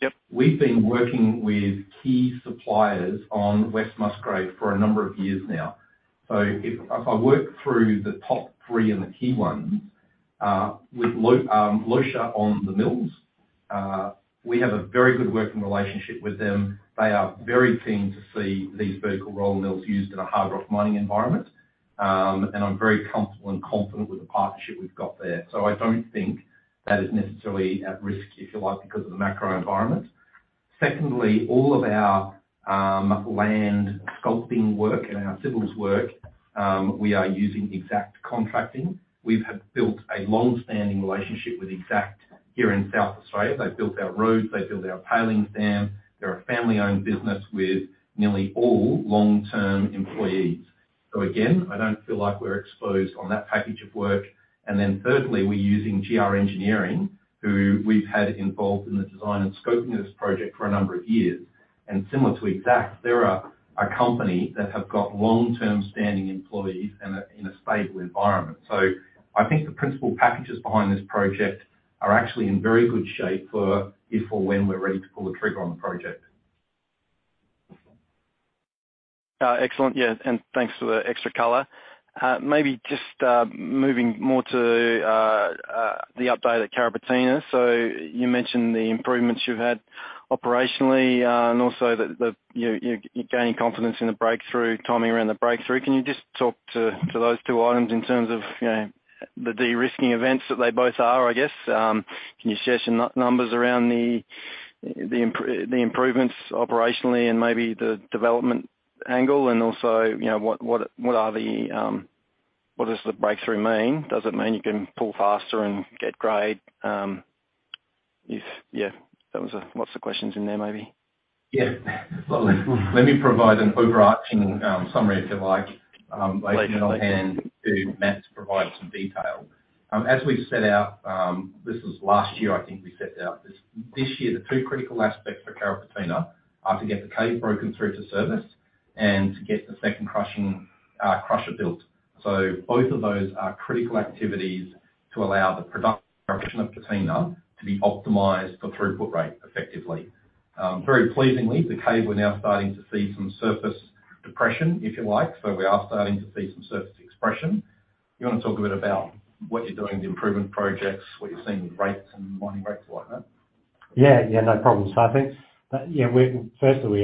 Yep. We've been working with key suppliers on West Musgrave for a number of years now. If I work through the top three and the key ones, with Loesche on the mills, we have a very good working relationship with them. They are very keen to see these vertical roller mills used in a hard rock mining environment. I'm very comfortable and confident with the partnership we've got there. I don't think that is necessarily at risk, if you like, because of the macro environment. Secondly, all of our land sculpting work and our civils work, we are using Exact Contracting. We've had built a long-standing relationship with Exact here in South Australia. They built our roads, they built our tailings dam. They're a family-owned business with nearly all long-term employees. Again, I don't feel like we're exposed on that package of work. Then thirdly, we're using GR Engineering, who we've had involved in the design and scoping of this project for a number of years. Similar to Exact, they're a company that have got long-term standing employees in a stable environment. I think the principal packages behind this project are actually in very good shape for if or when we're ready to pull the trigger on the project. Excellent. Yeah, thanks for the extra color. Maybe just moving more to the update at Carrapateena. You mentioned the improvements you've had operationally and also that you're gaining confidence in the breakthrough timing around the breakthrough. Can you just talk to those two items in terms of, you know, the de-risking events that they both are, I guess? Can you share some numbers around the improvements operationally and maybe the development angle? You know, what does the breakthrough mean? Does it mean you can pull faster and get grade? Yeah, that was lots of questions in there, maybe. Yeah. Well, let me provide an overarching summary, if you like. Please do. I'll hand to Matt to provide some detail. As we set out, this was last year, I think we set out this year, the two critical aspects for Carrapateena are to get the cave broken through to service and to get the second crushing crusher built. Both of those are critical activities to allow the production of Carrapateena to be optimized for throughput rate effectively. Very pleasingly, the cave, we're now starting to see some surface depression, if you like. We are starting to see some surface expression. You wanna talk a bit about what you're doing, the improvement projects, what you're seeing with rates and mining rates and whatnot? Yeah. Yeah, no problem. I think, yeah, we're firstly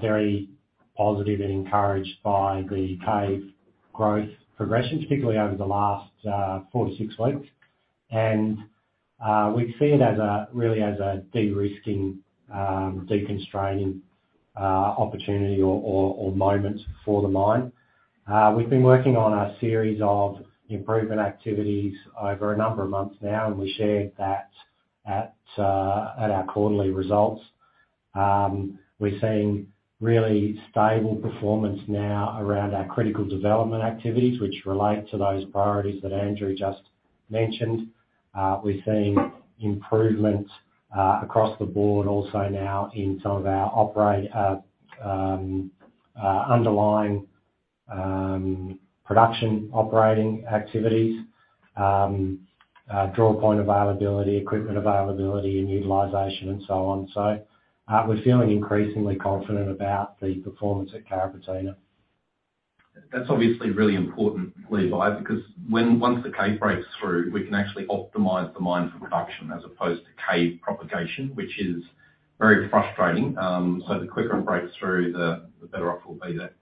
very positive and encouraged by the cave growth progression, particularly over the last four to six weeks. We see it as really a de-risking, deconstraining opportunity or moment for the mine. We've been working on a series of improvement activities over a number of months now, and we shared that at our quarterly results. We're seeing really stable performance now around our critical development activities which relate to those priorities that Andrew just mentioned. We're seeing improvement across the board also now in some of our underlying production operating activities, draw point availability, equipment availability, and utilization and so on. We're feeling increasingly confident about the performance at Carrapateena. That's obviously really importantly, because once the cave breaks through, we can actually optimize the mine for production as opposed to cave propagation, which is very frustrating. So the quicker it breaks through, the better off we'll be there.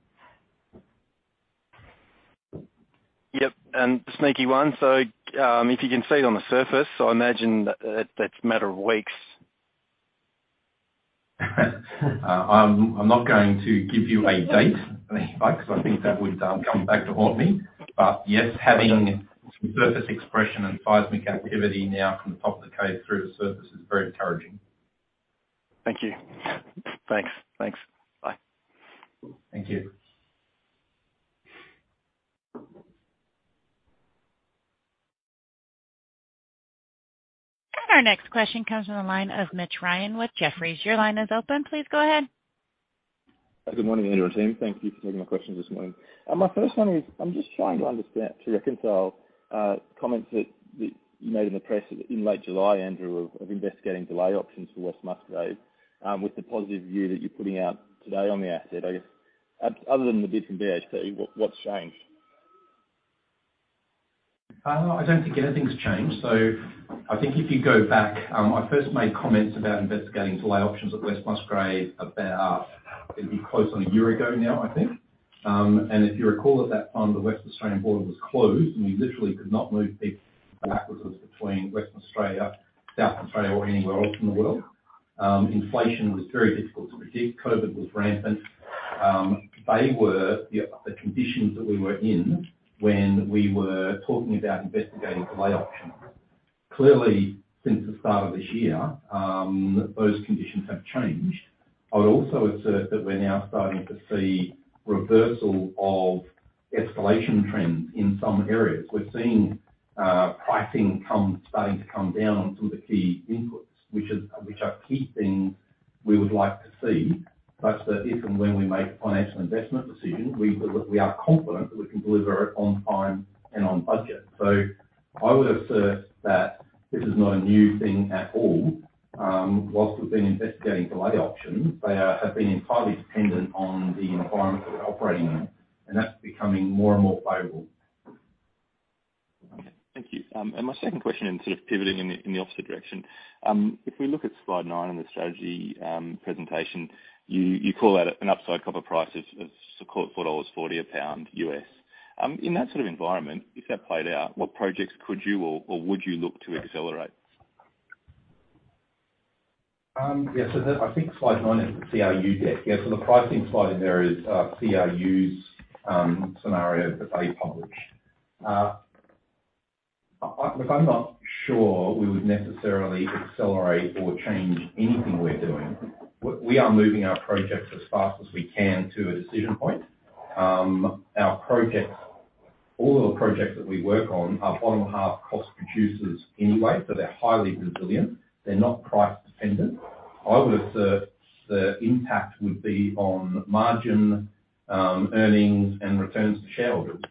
Yep. Sneaky one, so, if you can see it on the surface, so I imagine that's a matter of weeks. I'm not going to give you a date, if you like, because I think that would come back to haunt me. Yes, having surface expression and seismic activity now from the top of the cave through the surface is very encouraging. Thank you. Thanks. Thanks. Bye. Thank you. Our next question comes from the line of Mitch Ryan with Jefferies. Your line is open. Please go ahead. Good morning, Andrew and team. Thank you for taking my questions this morning. My first one is, I'm just trying to understand, to reconcile, comments that you made in the press in late July, Andrew, of investigating delay options for West Musgrave, with the positive view that you're putting out today on the asset. I guess, other than the bid from BHP, what's changed? I don't think anything's changed. I think if you go back, I first made comments about investigating delay options at West Musgrave about, it'd be close on a year ago now, I think. If you recall at that time, the Western Australian border was closed, and you literally could not move bits and pieces between Western Australia, South Australia, or anywhere else in the world. Inflation was very difficult to predict. COVID was rampant. They were the conditions that we were in when we were talking about investigating delay options. Clearly, since the start of this year, those conditions have changed. I would also assert that we're now starting to see reversal of escalation trends in some areas. We're seeing pricing starting to come down on some of the key inputs, which are key things we would like to see, such that if and when we make a financial investment decision, we are confident that we can deliver it on time and on budget. I would assert that this is not a new thing at all. While we've been investigating delay options, they have been entirely dependent on the environment that we're operating in, and that's becoming more and more favorable. Okay. Thank you. My second question is sort of pivoting in the opposite direction. If we look at slide nine in the strategy presentation, you call that an upside copper price of $4.40 a lb U.S. In that sort of environment, if that played out, what projects could you or would you look to accelerate? Yeah, I think slide nine is the CRU deck. The pricing slide in there is CRU's scenario that they publish. Look, I'm not sure we would necessarily accelerate or change anything we're doing. We are moving our projects as fast as we can to a decision point. Our projects, all of the projects that we work on are bottom half cost producers anyway, so they're highly resilient. They're not price dependent. I would assert the impact would be on margin, earnings, and returns to shareholders,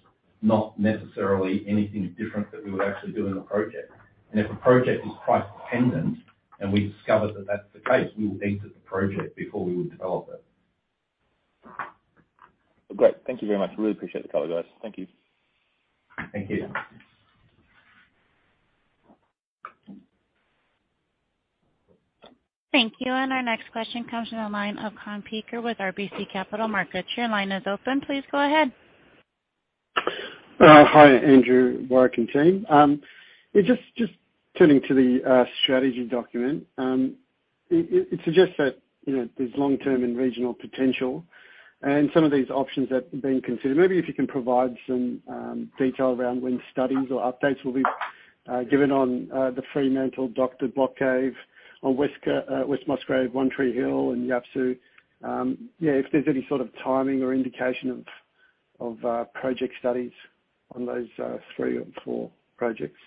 not necessarily anything different that we would actually do in the project. If a project is price dependent, and we discover that that's the case, we will exit the project before we would develop it. Great. Thank you very much. Really appreciate the color, guys. Thank you. Thank you. Thank you. Our next question comes from the line of Kaan Peker with RBC Capital Markets. Your line is open. Please go ahead. Hi, Andrew, Warrick, and team. Yeah, just turning to the strategy document. It suggests that, you know, there's long-term and regional potential, and some of these options have been considered. Maybe if you can provide some detail around when studies or updates will be given on the Fremantle Doctor block cave, on West Musgrave, One Tree Hill and Yabricoya. Yeah, if there's any sort of timing or indication of project studies on those three or four projects.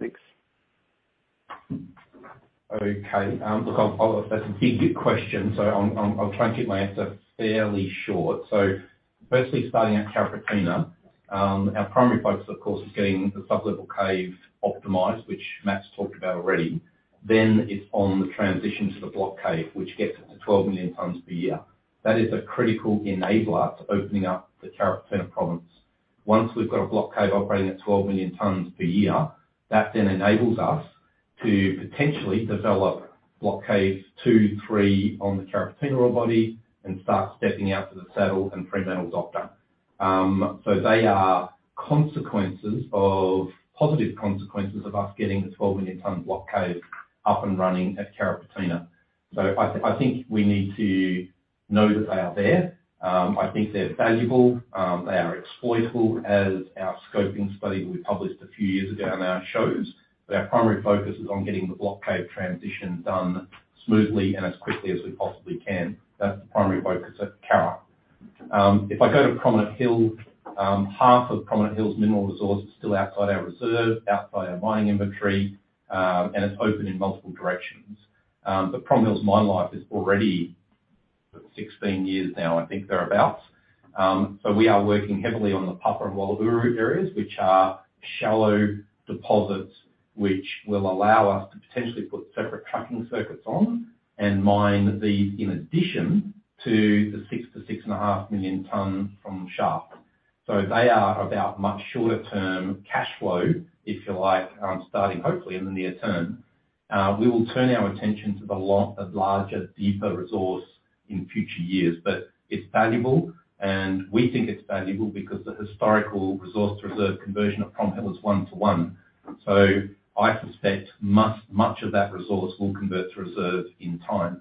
Thanks. Okay. Look, that's a big question. I'll try and keep my answer fairly short. Firstly, starting at Carrapateena, our primary focus, of course, is getting the sub-level caving optimized, which Matt's talked about already. It's on the transition to the block caving, which gets it to 12 million tons per year. That is a critical enabler to opening up the Carrapateena province. Once we've got a block caving operating at 12 million tons per year, that enables us to potentially develop block caves 2, 3 on the Carrapateena ore body and start stepping out to The Saddle and Fremantle Doctor. They are positive consequences of us getting the 12 million ton block caving up and running at Carrapateena. I think we need to know that they are there. I think they're valuable. They are exploitable, as our scoping study we published a few years ago now shows. Our primary focus is on getting the block caving transition done smoothly and as quickly as we possibly can. That's the primary focus at Carrapateena. If I go to Prominent Hill, half of Prominent Hill's mineral resource is still outside our reserve, outside our mining inventory, and it's open in multiple directions. Prominent Hill's mine life is already 16 years now, I think, thereabout. We are working heavily on the Papa and Walawuru areas, which are shallow deposits which will allow us to potentially put separate trucking circuits on and mine these in addition to the 6 million-6.5 million tons from shaft. They are about much shorter term cashflow, if you like, starting hopefully in the near term. We will turn our attention to the larger, deeper resource in future years. It's valuable, and we think it's valuable because the historical resource reserve conversion of Prominent Hill is one to one. I suspect much of that resource will convert to reserve in time.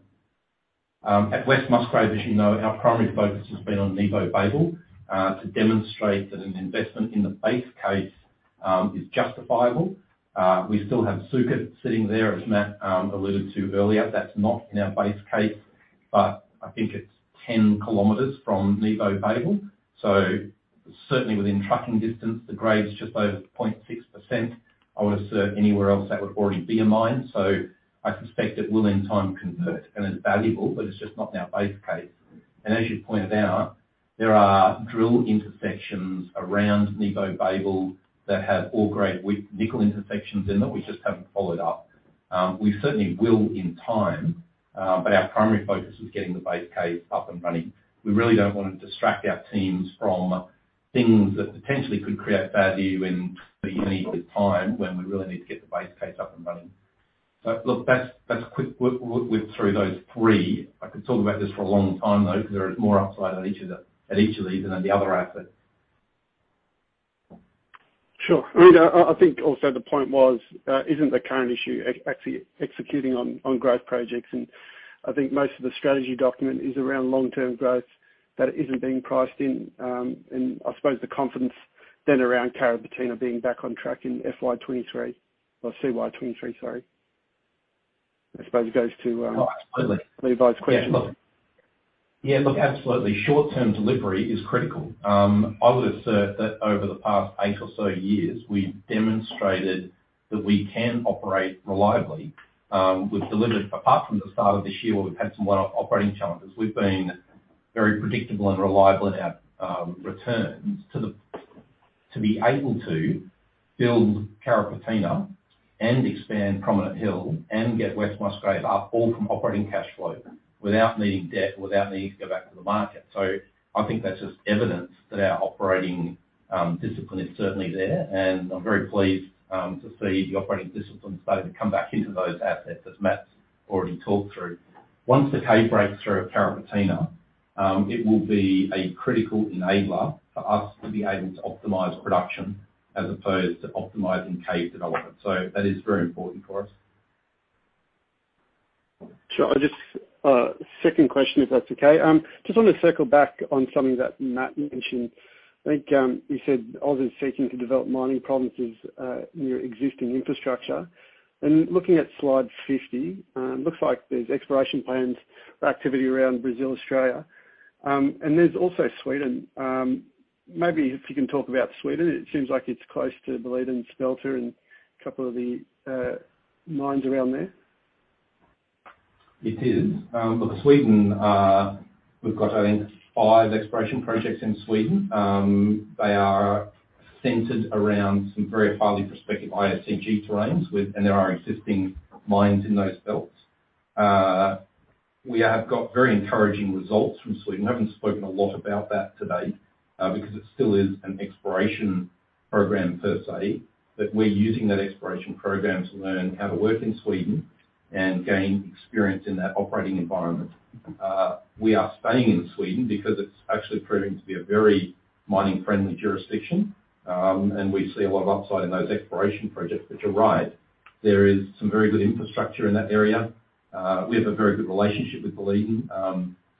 At West Musgrave, as you know, our primary focus has been on Nebo-Babel to demonstrate that an investment in the base case is justifiable. We still have Succoth sitting there, as Matt alluded to earlier. That's not in our base case, but I think it's 10 kilometers from Nebo-Babel, so certainly within trucking distance. The grade's just over 0.6%. I would assert anywhere else that would already be a mine, so I suspect it will in time convert. It's valuable, but it's just not in our base case. As you pointed out, there are drill intersections around Nebo-Babel that have ore grade with nickel intersections in them. We just haven't followed up. We certainly will in time, but our primary focus is getting the base case up and running. We really don't wanna distract our teams from things that potentially could create value in the immediate time, when we really need to get the base case up and running. Look, that's a quick whip through those three. I could talk about this for a long time, though, 'cause there is more upside on each of the, at each of these than on the other assets. Sure. I mean, I think also the point was, isn't the current issue actually executing on growth projects? I think most of the strategy document is around long-term growth that isn't being priced in, I suppose, the confidence then around Carrapateena being back on track in FY 2023, or CY 2023, sorry. I suppose it goes to. Oh, absolutely. Levi's question. Yeah, look, absolutely. Short-term delivery is critical. I would assert that over the past eight or so years, we've demonstrated that we can operate reliably. We've delivered, apart from the start of this year, where we've had some operating challenges, we've been very predictable and reliable in our returns to the, to be able to build Carrapateena and expand Prominent Hill and get West Musgrave up, all from operating cash flow, without needing debt, without needing to go back to the market. I think that's just evidence that our operating discipline is certainly there. I'm very pleased to see the operating discipline starting to come back into those assets, as Matt's already talked through. Once the cave breaks through at Carrapateena, it will be a critical enabler for us to be able to optimize production as opposed to optimizing cave development. That is very important for us. Sure. I'll just second question, if that's okay. Just wanna circle back on something that Matt mentioned. I think you said OZ is seeking to develop mining provinces near existing infrastructure. Looking at slide 50, looks like there's exploration plans for activity around Brazil, Australia, and there's also Sweden. Maybe if you can talk about Sweden. It seems like it's close to Boliden smelter and a couple of the mines around there? It is. Look, Sweden, we've got, I think, five exploration projects in Sweden. They are centered around some very highly prospective IOCG terrains and there are existing mines in those belts. We have got very encouraging results from Sweden. Haven't spoken a lot about that to date, because it still is an exploration program per se, but we're using that exploration program to learn how to work in Sweden and gain experience in that operating environment. We are staying in Sweden because it's actually proving to be a very mining-friendly jurisdiction, and we see a lot of upside in those exploration projects. You're right. There is some very good infrastructure in that area. We have a very good relationship with Boliden.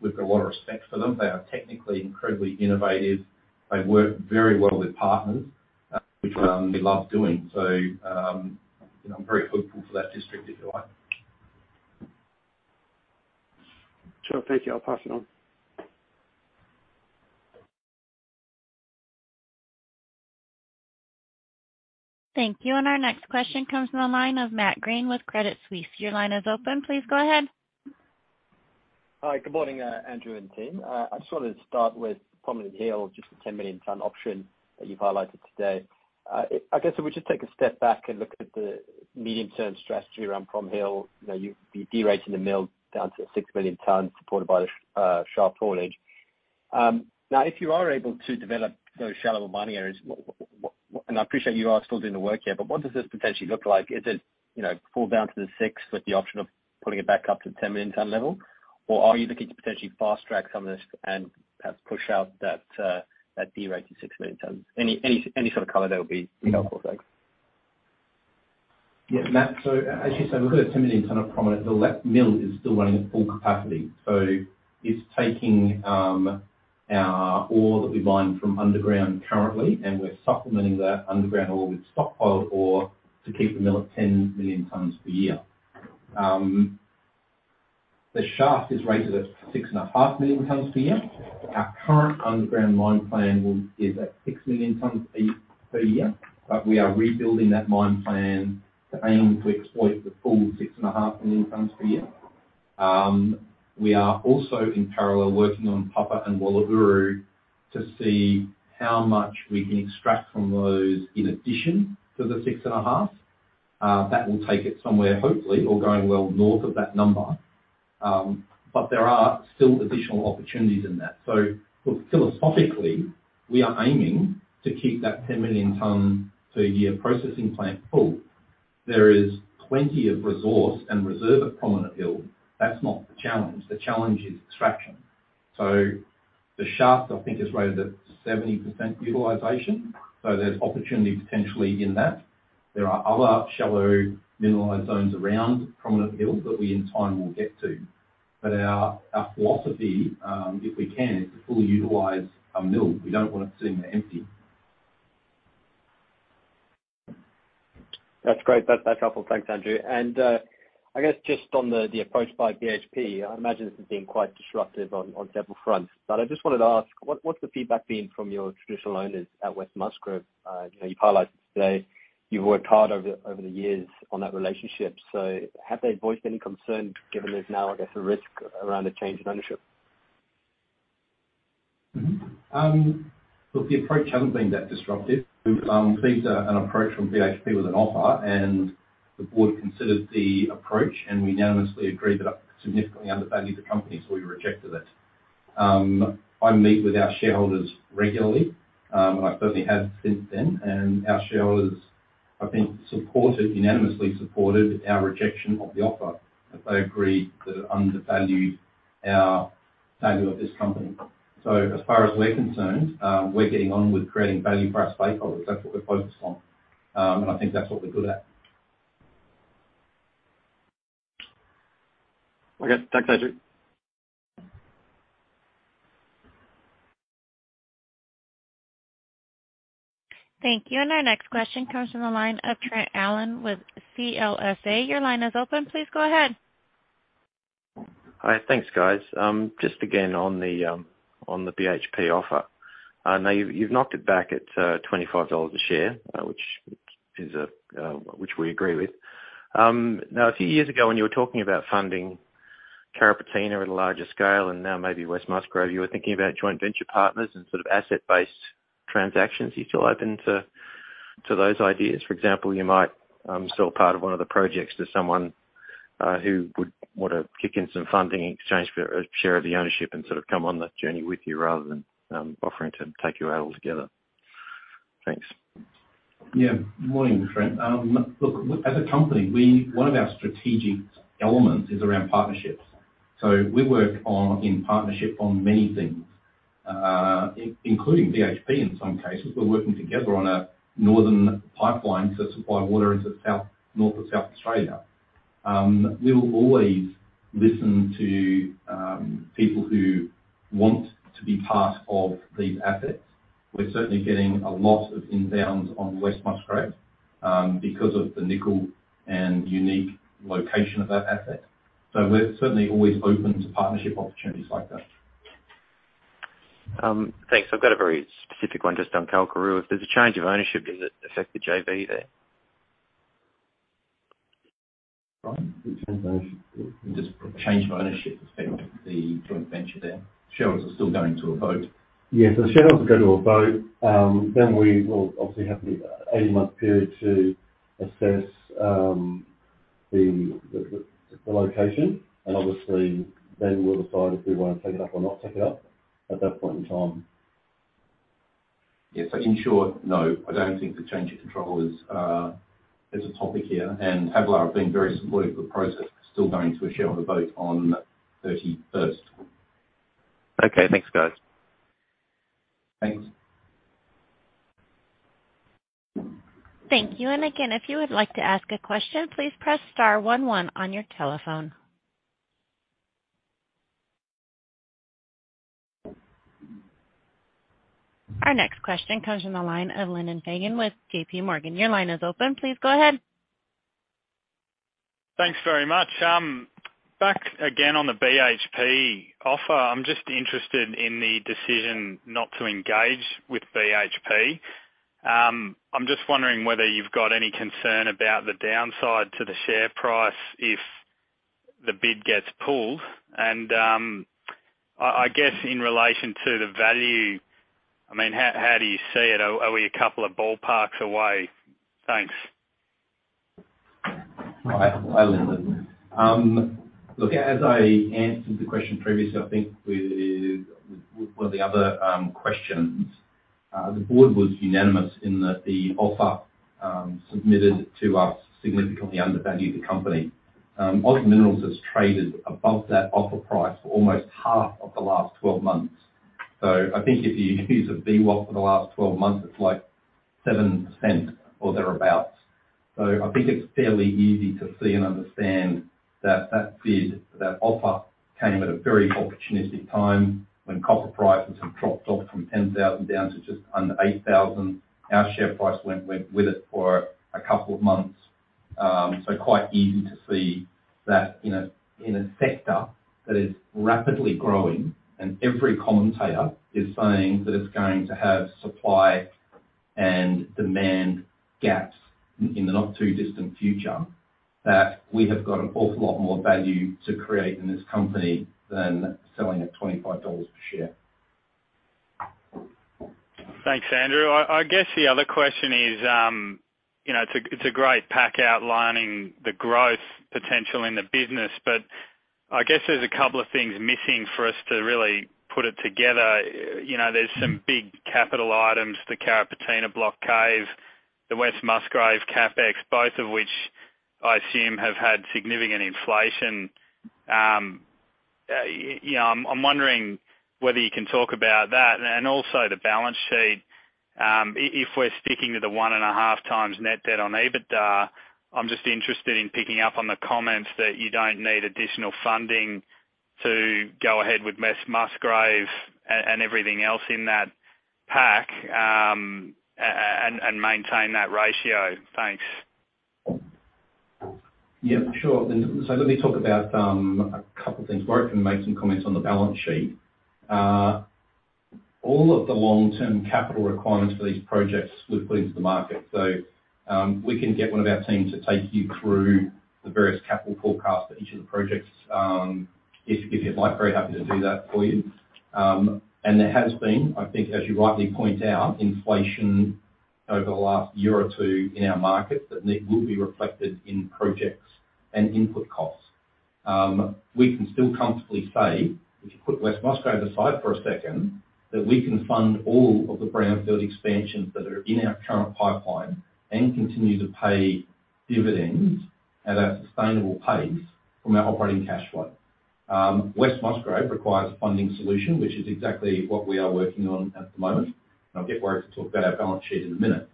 We've got a lot of respect for them. They are technically incredibly innovative. They work very well with partners, which we love doing. You know, I'm very hopeful for that district, if you like. Sure. Thank you. I'll pass it on. Thank you. Our next question comes from the line of Matthew Green with Credit Suisse. Your line is open. Please go ahead. Hi, good morning, Andrew and team. I just wanted to start with Prominent Hill, just the 10 million ton option that you've highlighted today. I guess if we just take a step back and look at the medium-term strategy around Prominent Hill. You know, you've been derating the mill down to 6 million tons supported by the shaft haulage. Now, if you are able to develop those shallow mining areas, and I appreciate you are still doing the work here, but what does this potentially look like? Is it, you know, pull down to the 6 million ton with the option of putting it back up to the 10 million ton level? Or are you looking to potentially fast-track some of this and perhaps push out that derate to 6 million tons? Any sort of color there would be helpful, thanks. Matt, as you say, we've got a 10 million ton of Prominent. The mill is still running at full capacity. It's taking our ore that we mine from underground currently, and we're supplementing that underground ore with stockpiled ore to keep the mill at 10 million tons per year. The shaft is rated at 6.5 million tons per year. Our current underground mine plan is at 6 million tons per year, but we are rebuilding that mine plan to aim to exploit the full 6.5 million tons per year. We are also, in parallel, working on Papa and Walawuru to see how much we can extract from those in addition to the 6.5 million tons. That will take it somewhere, hopefully, all going well, north of that number. There are still additional opportunities in that. Look, philosophically, we are aiming to keep that 10 million ton per year processing plant full. There is plenty of resource and reserve at Prominent Hill. That's not the challenge. The challenge is extraction. The shaft, I think, is rated at 70% utilization, so there's opportunity potentially in that. There are other shallow mineralized zones around Prominent Hill that we, in time, will get to. Our philosophy, if we can, is to fully utilize our mill. We don't want it sitting there empty. That's great. That's helpful. Thanks, Andrew. I guess just on the approach by BHP, I imagine this has been quite disruptive on several fronts. I just wanted to ask, what's the feedback been from your traditional owners at West Musgrave? You know, you've highlighted today you've worked hard over the years on that relationship. Have they voiced any concern given there's now, I guess, a risk around the change in ownership? Look, the approach hasn't been that disruptive. We received an approach from BHP with an offer and the board considered the approach and unanimously agreed that it significantly undervalued the company, so we rejected it. I meet with our shareholders regularly, and I certainly have since then, and our shareholders, I think, unanimously supported our rejection of the offer, that they agreed that it undervalued the value of this company. As far as we're concerned, we're getting on with creating value for our stakeholders. That's what we're focused on. I think that's what we're good at. Okay. Thanks, Andrew. Thank you. Our next question comes from the line of Trent Allen with CLSA. Your line is open. Please go ahead. Hi. Thanks, guys. Just again, on the BHP offer. I know you've knocked it back at 25 dollars a share, which we agree with. Now, a few years ago when you were talking about funding Carrapateena at a larger scale and now maybe West Musgrave, you were thinking about joint venture partners and sort of asset-based transactions. Are you still open to those ideas? For example, you might sell part of one of the projects to someone who would want to kick in some funding in exchange for a share of the ownership and sort of come on that journey with you rather than offering to take you out altogether. Thanks. Yeah. Morning, Trent. Look, as a company, we, one of our strategic elements is around partnerships. We work on, in partnership on many things, including BHP in some cases. We're working together on a northern pipeline to supply water into north of South Australia. We will always listen to people who want to be part of these assets. We're certainly getting a lot of inbounds on West Musgrave because of the nickel and unique location of that asset. We're certainly always open to partnership opportunities like that. Thanks. I've got a very specific one just on Kalkaroo. If there's a change of ownership, does it affect the JV there? Bryan? The change of ownership. Just change of ownership affect the joint venture there. Shareholders are still going to a vote. Yeah. The shareholders will go to a vote. Then we will obviously have the 80-month period to assess the location. Obviously then we'll decide if we wanna take it up or not take it up at that point in time. Yeah. In short, no. I don't think the change of control is a topic here. Tabular have been very supportive of the process. They're still going to a shareholder vote on 31st. Okay. Thanks, guys. Thanks. Thank you. Again, if you would like to ask a question, please press star one one on your telephone. Our next question comes from the line of Lyndon Fagan with JPMorgan. Your line is open. Please go ahead. Thanks very much. Back again on the BHP offer. I'm just interested in the decision not to engage with BHP. I'm just wondering whether you've got any concern about the downside to the share price if the bid gets pulled and, I guess in relation to the value, I mean, how do you see it? Are we a couple of ballparks away? Thanks. Hi, Lyndon. Look, as I answered the question previously, I think with one of the other questions, the board was unanimous in that the offer submitted to us significantly undervalued the company. OZ Minerals has traded above that offer price for almost half of the last 12 months. I think if you use a VWAP for the last 12 months, it's like 0.07 or thereabouts. I think it's fairly easy to see and understand that that bid, that offer came at a very opportunistic time when copper prices have dropped off from $10,000 down to just under $8,000. Our share price went with it for a couple of months. Quite easy to see that in a sector that is rapidly growing and every commentator is saying that it's going to have supply and demand gaps in the not too distant future, that we have got an awful lot more value to create in this company than selling at 25 dollars per share. Thanks, Andrew. I guess the other question is, you know, it's a great pack outlining the growth potential in the business, but I guess there's a couple of things missing for us to really put it together. You know, there's some big capital items, the Carrapateena block cave, the West Musgrave CapEx, both of which I assume have had significant inflation. You know, I'm wondering whether you can talk about that and also the balance sheet. If we're sticking to the 1.5x net debt on EBITDA, I'm just interested in picking up on the comments that you don't need additional funding to go ahead with West Musgrave and everything else in that pack, and maintain that ratio. Thanks. Yeah, sure, Lyndon. Let me talk about a couple of things. Warwick can make some comments on the balance sheet. All of the long-term capital requirements for these projects we've put into the market. We can get one of our team to take you through the various capital forecasts for each of the projects, if you'd like. Very happy to do that for you. There has been, I think as you rightly point out, inflation over the last year or two in our market that indeed will be reflected in projects and input costs. We can still comfortably say, if you put West Musgrave aside for a second, that we can fund all of the brownfield expansions that are in our current pipeline and continue to pay dividends at a sustainable pace from our operating cash flow. West Musgrave requires a funding solution, which is exactly what we are working on at the moment. I'll get Warrick to talk about our balance sheet in a minute.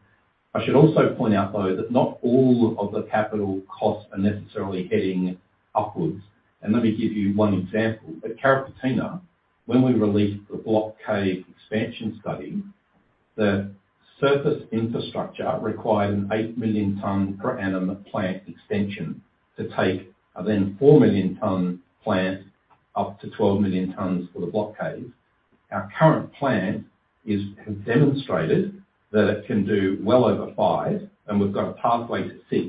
I should also point out, though, that not all of the capital costs are necessarily heading upwards. Let me give you one example. At Carrapateena, when we released the Block Cave expansion study, the surface infrastructure required an 8 million ton per annum plant extension to take a then 4 million ton plant up to 12 million tons for the Block Cave. Our current plant has demonstrated that it can do well over 5, and we've got a pathway to 6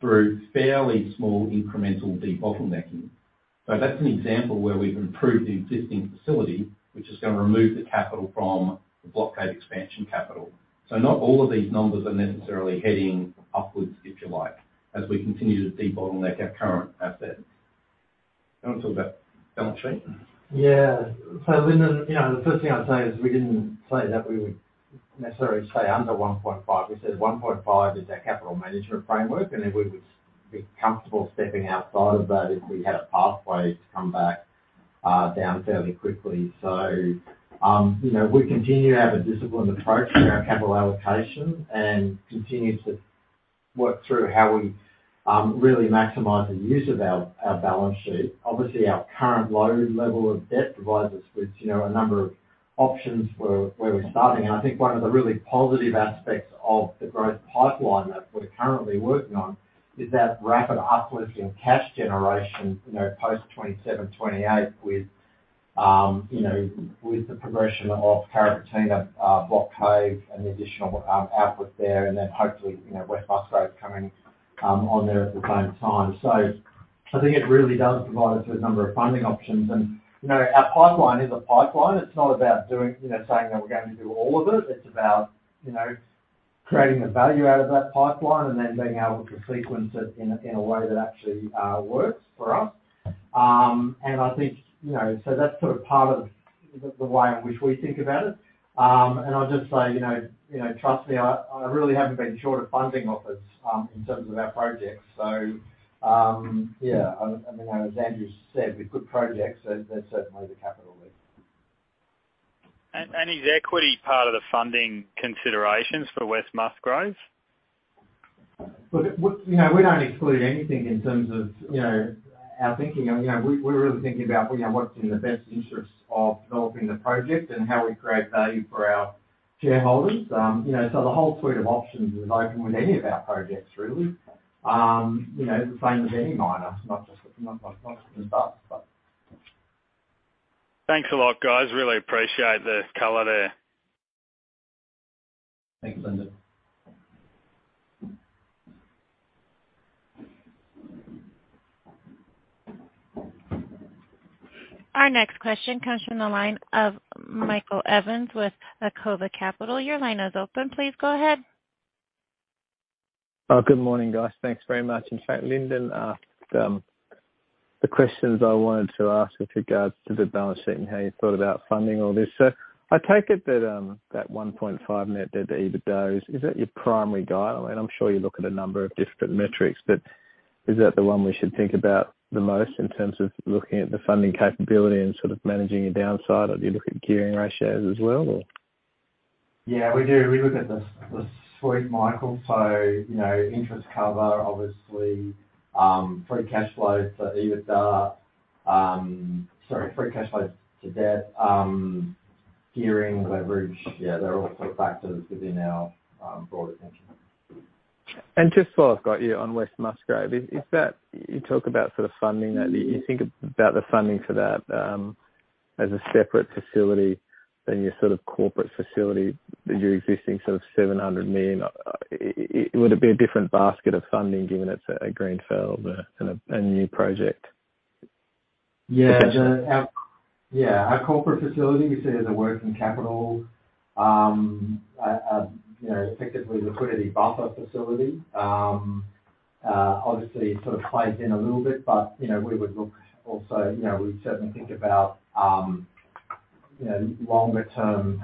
through fairly small incremental debottlenecking. That's an example where we've improved the existing facility, which is gonna remove the capital from the Block Cave expansion capital. Not all of these numbers are necessarily heading upwards, if you like, as we continue to debottleneck our current assets. Do you want to talk about balance sheet? Yeah. Lyndon, you know, the first thing I'd say is we didn't say that we would necessarily stay under 1.5x. We said 1.5x is our capital management framework, and we would be comfortable stepping outside of that if we had a pathway to come back down fairly quickly. You know, we continue to have a disciplined approach to our capital allocation and continue to work through how we really maximize the use of our balance sheet. Obviously, our current low level of debt provides us with, you know, a number of options for where we're starting. I think one of the really positive aspects of the growth pipeline that we're currently working on is that rapid uplift in cash generation, you know, post 2027, 2028 with, you know, with the progression of Carrapateena, block caving and the additional output there. And then hopefully, you know, West Musgrave coming on there at the same time. I think it really does provide us with a number of funding options. You know, our pipeline is a pipeline. It's not about doing, you know, saying that we're going to do all of it. It's about, you know, creating the value out of that pipeline and then being able to sequence it in a way that actually works for us. I think, you know, that's sort of part of the way in which we think about it. I'll just say, you know, trust me, I really haven't been short of funding offers in terms of our projects. Yeah, I mean, as Andrew said, with good projects, there's certainly the capital there. Is equity part of the funding considerations for West Musgrave? Look, you know, we don't exclude anything in terms of, you know, our thinking. You know, we're really thinking about, you know, what's in the best interest of developing the project and how we create value for our shareholders. You know, the whole suite of options is open with any of our projects really. You know, the same with any miner, not just with us, but. Thanks a lot, guys. Really appreciate the color there. Thanks, Lyndon. Our next question comes from the line of Michael Evans with Acova Capital. Your line is open. Please go ahead. Good morning, guys. Thanks very much. In fact, Lyndon asked the questions I wanted to ask with regards to the balance sheet and how you thought about funding all this. I take it that 1.5x net debt to EBITDA is your primary guide? I mean, I'm sure you look at a number of different metrics, but is that the one we should think about the most in terms of looking at the funding capability and sort of managing your downside? Or do you look at gearing ratios as well or? Yeah, we do. We look at the suite, Michael. You know, interest cover, obviously, free cash flow to EBITDA. Sorry, free cash flow to debt, gearing, leverage. Yeah, they're all sort of factors within our broader thinking. Just while I've got you on West Musgrave, is that. You talk about sort of funding that. Do you think about the funding for that, as a separate facility than your sort of corporate facility, your existing sort of 700 million? Would it be a different basket of funding given it's a greenfield, kind of a new project? Yeah. Potentially? Yeah. Our corporate facility we see as a working capital, you know, effectively liquidity buffer facility. Obviously it sort of plays in a little bit, but, you know, we would look also, you know, we'd certainly think about, you know, longer term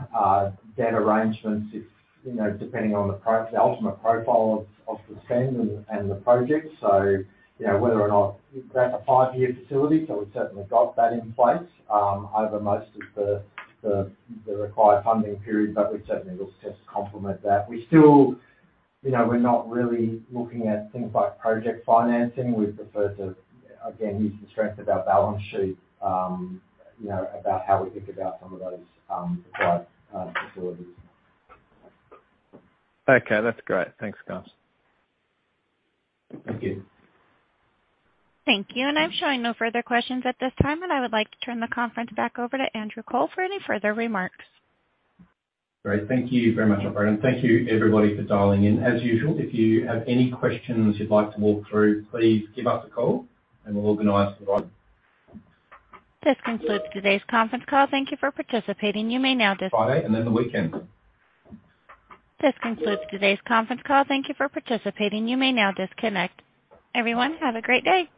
debt arrangements if, you know, depending on the ultimate profile of the spend and the project. You know, whether or not that's a five-year facility, we've certainly got that in place over most of the required funding period, but we'd certainly look to complement that. We still, you know, we're not really looking at things like project financing. We'd prefer to, again, use the strength of our balance sheet, you know, about how we think about some of those required facilities. Okay. That's great. Thanks, guys. Thank you. Thank you. I'm showing no further questions at this time. I would like to turn the conference back over to Andrew Cole for any further remarks. Great. Thank you very much, operator, and thank you everybody for dialing in. As usual, if you have any questions you'd like to walk through, please give us a call and we'll organize the line. This concludes today's conference call. Thank you for participating. You may now dis- Friday and then the weekend. This concludes today's conference call. Thank you for participating. You may now disconnect. Everyone, have a great day.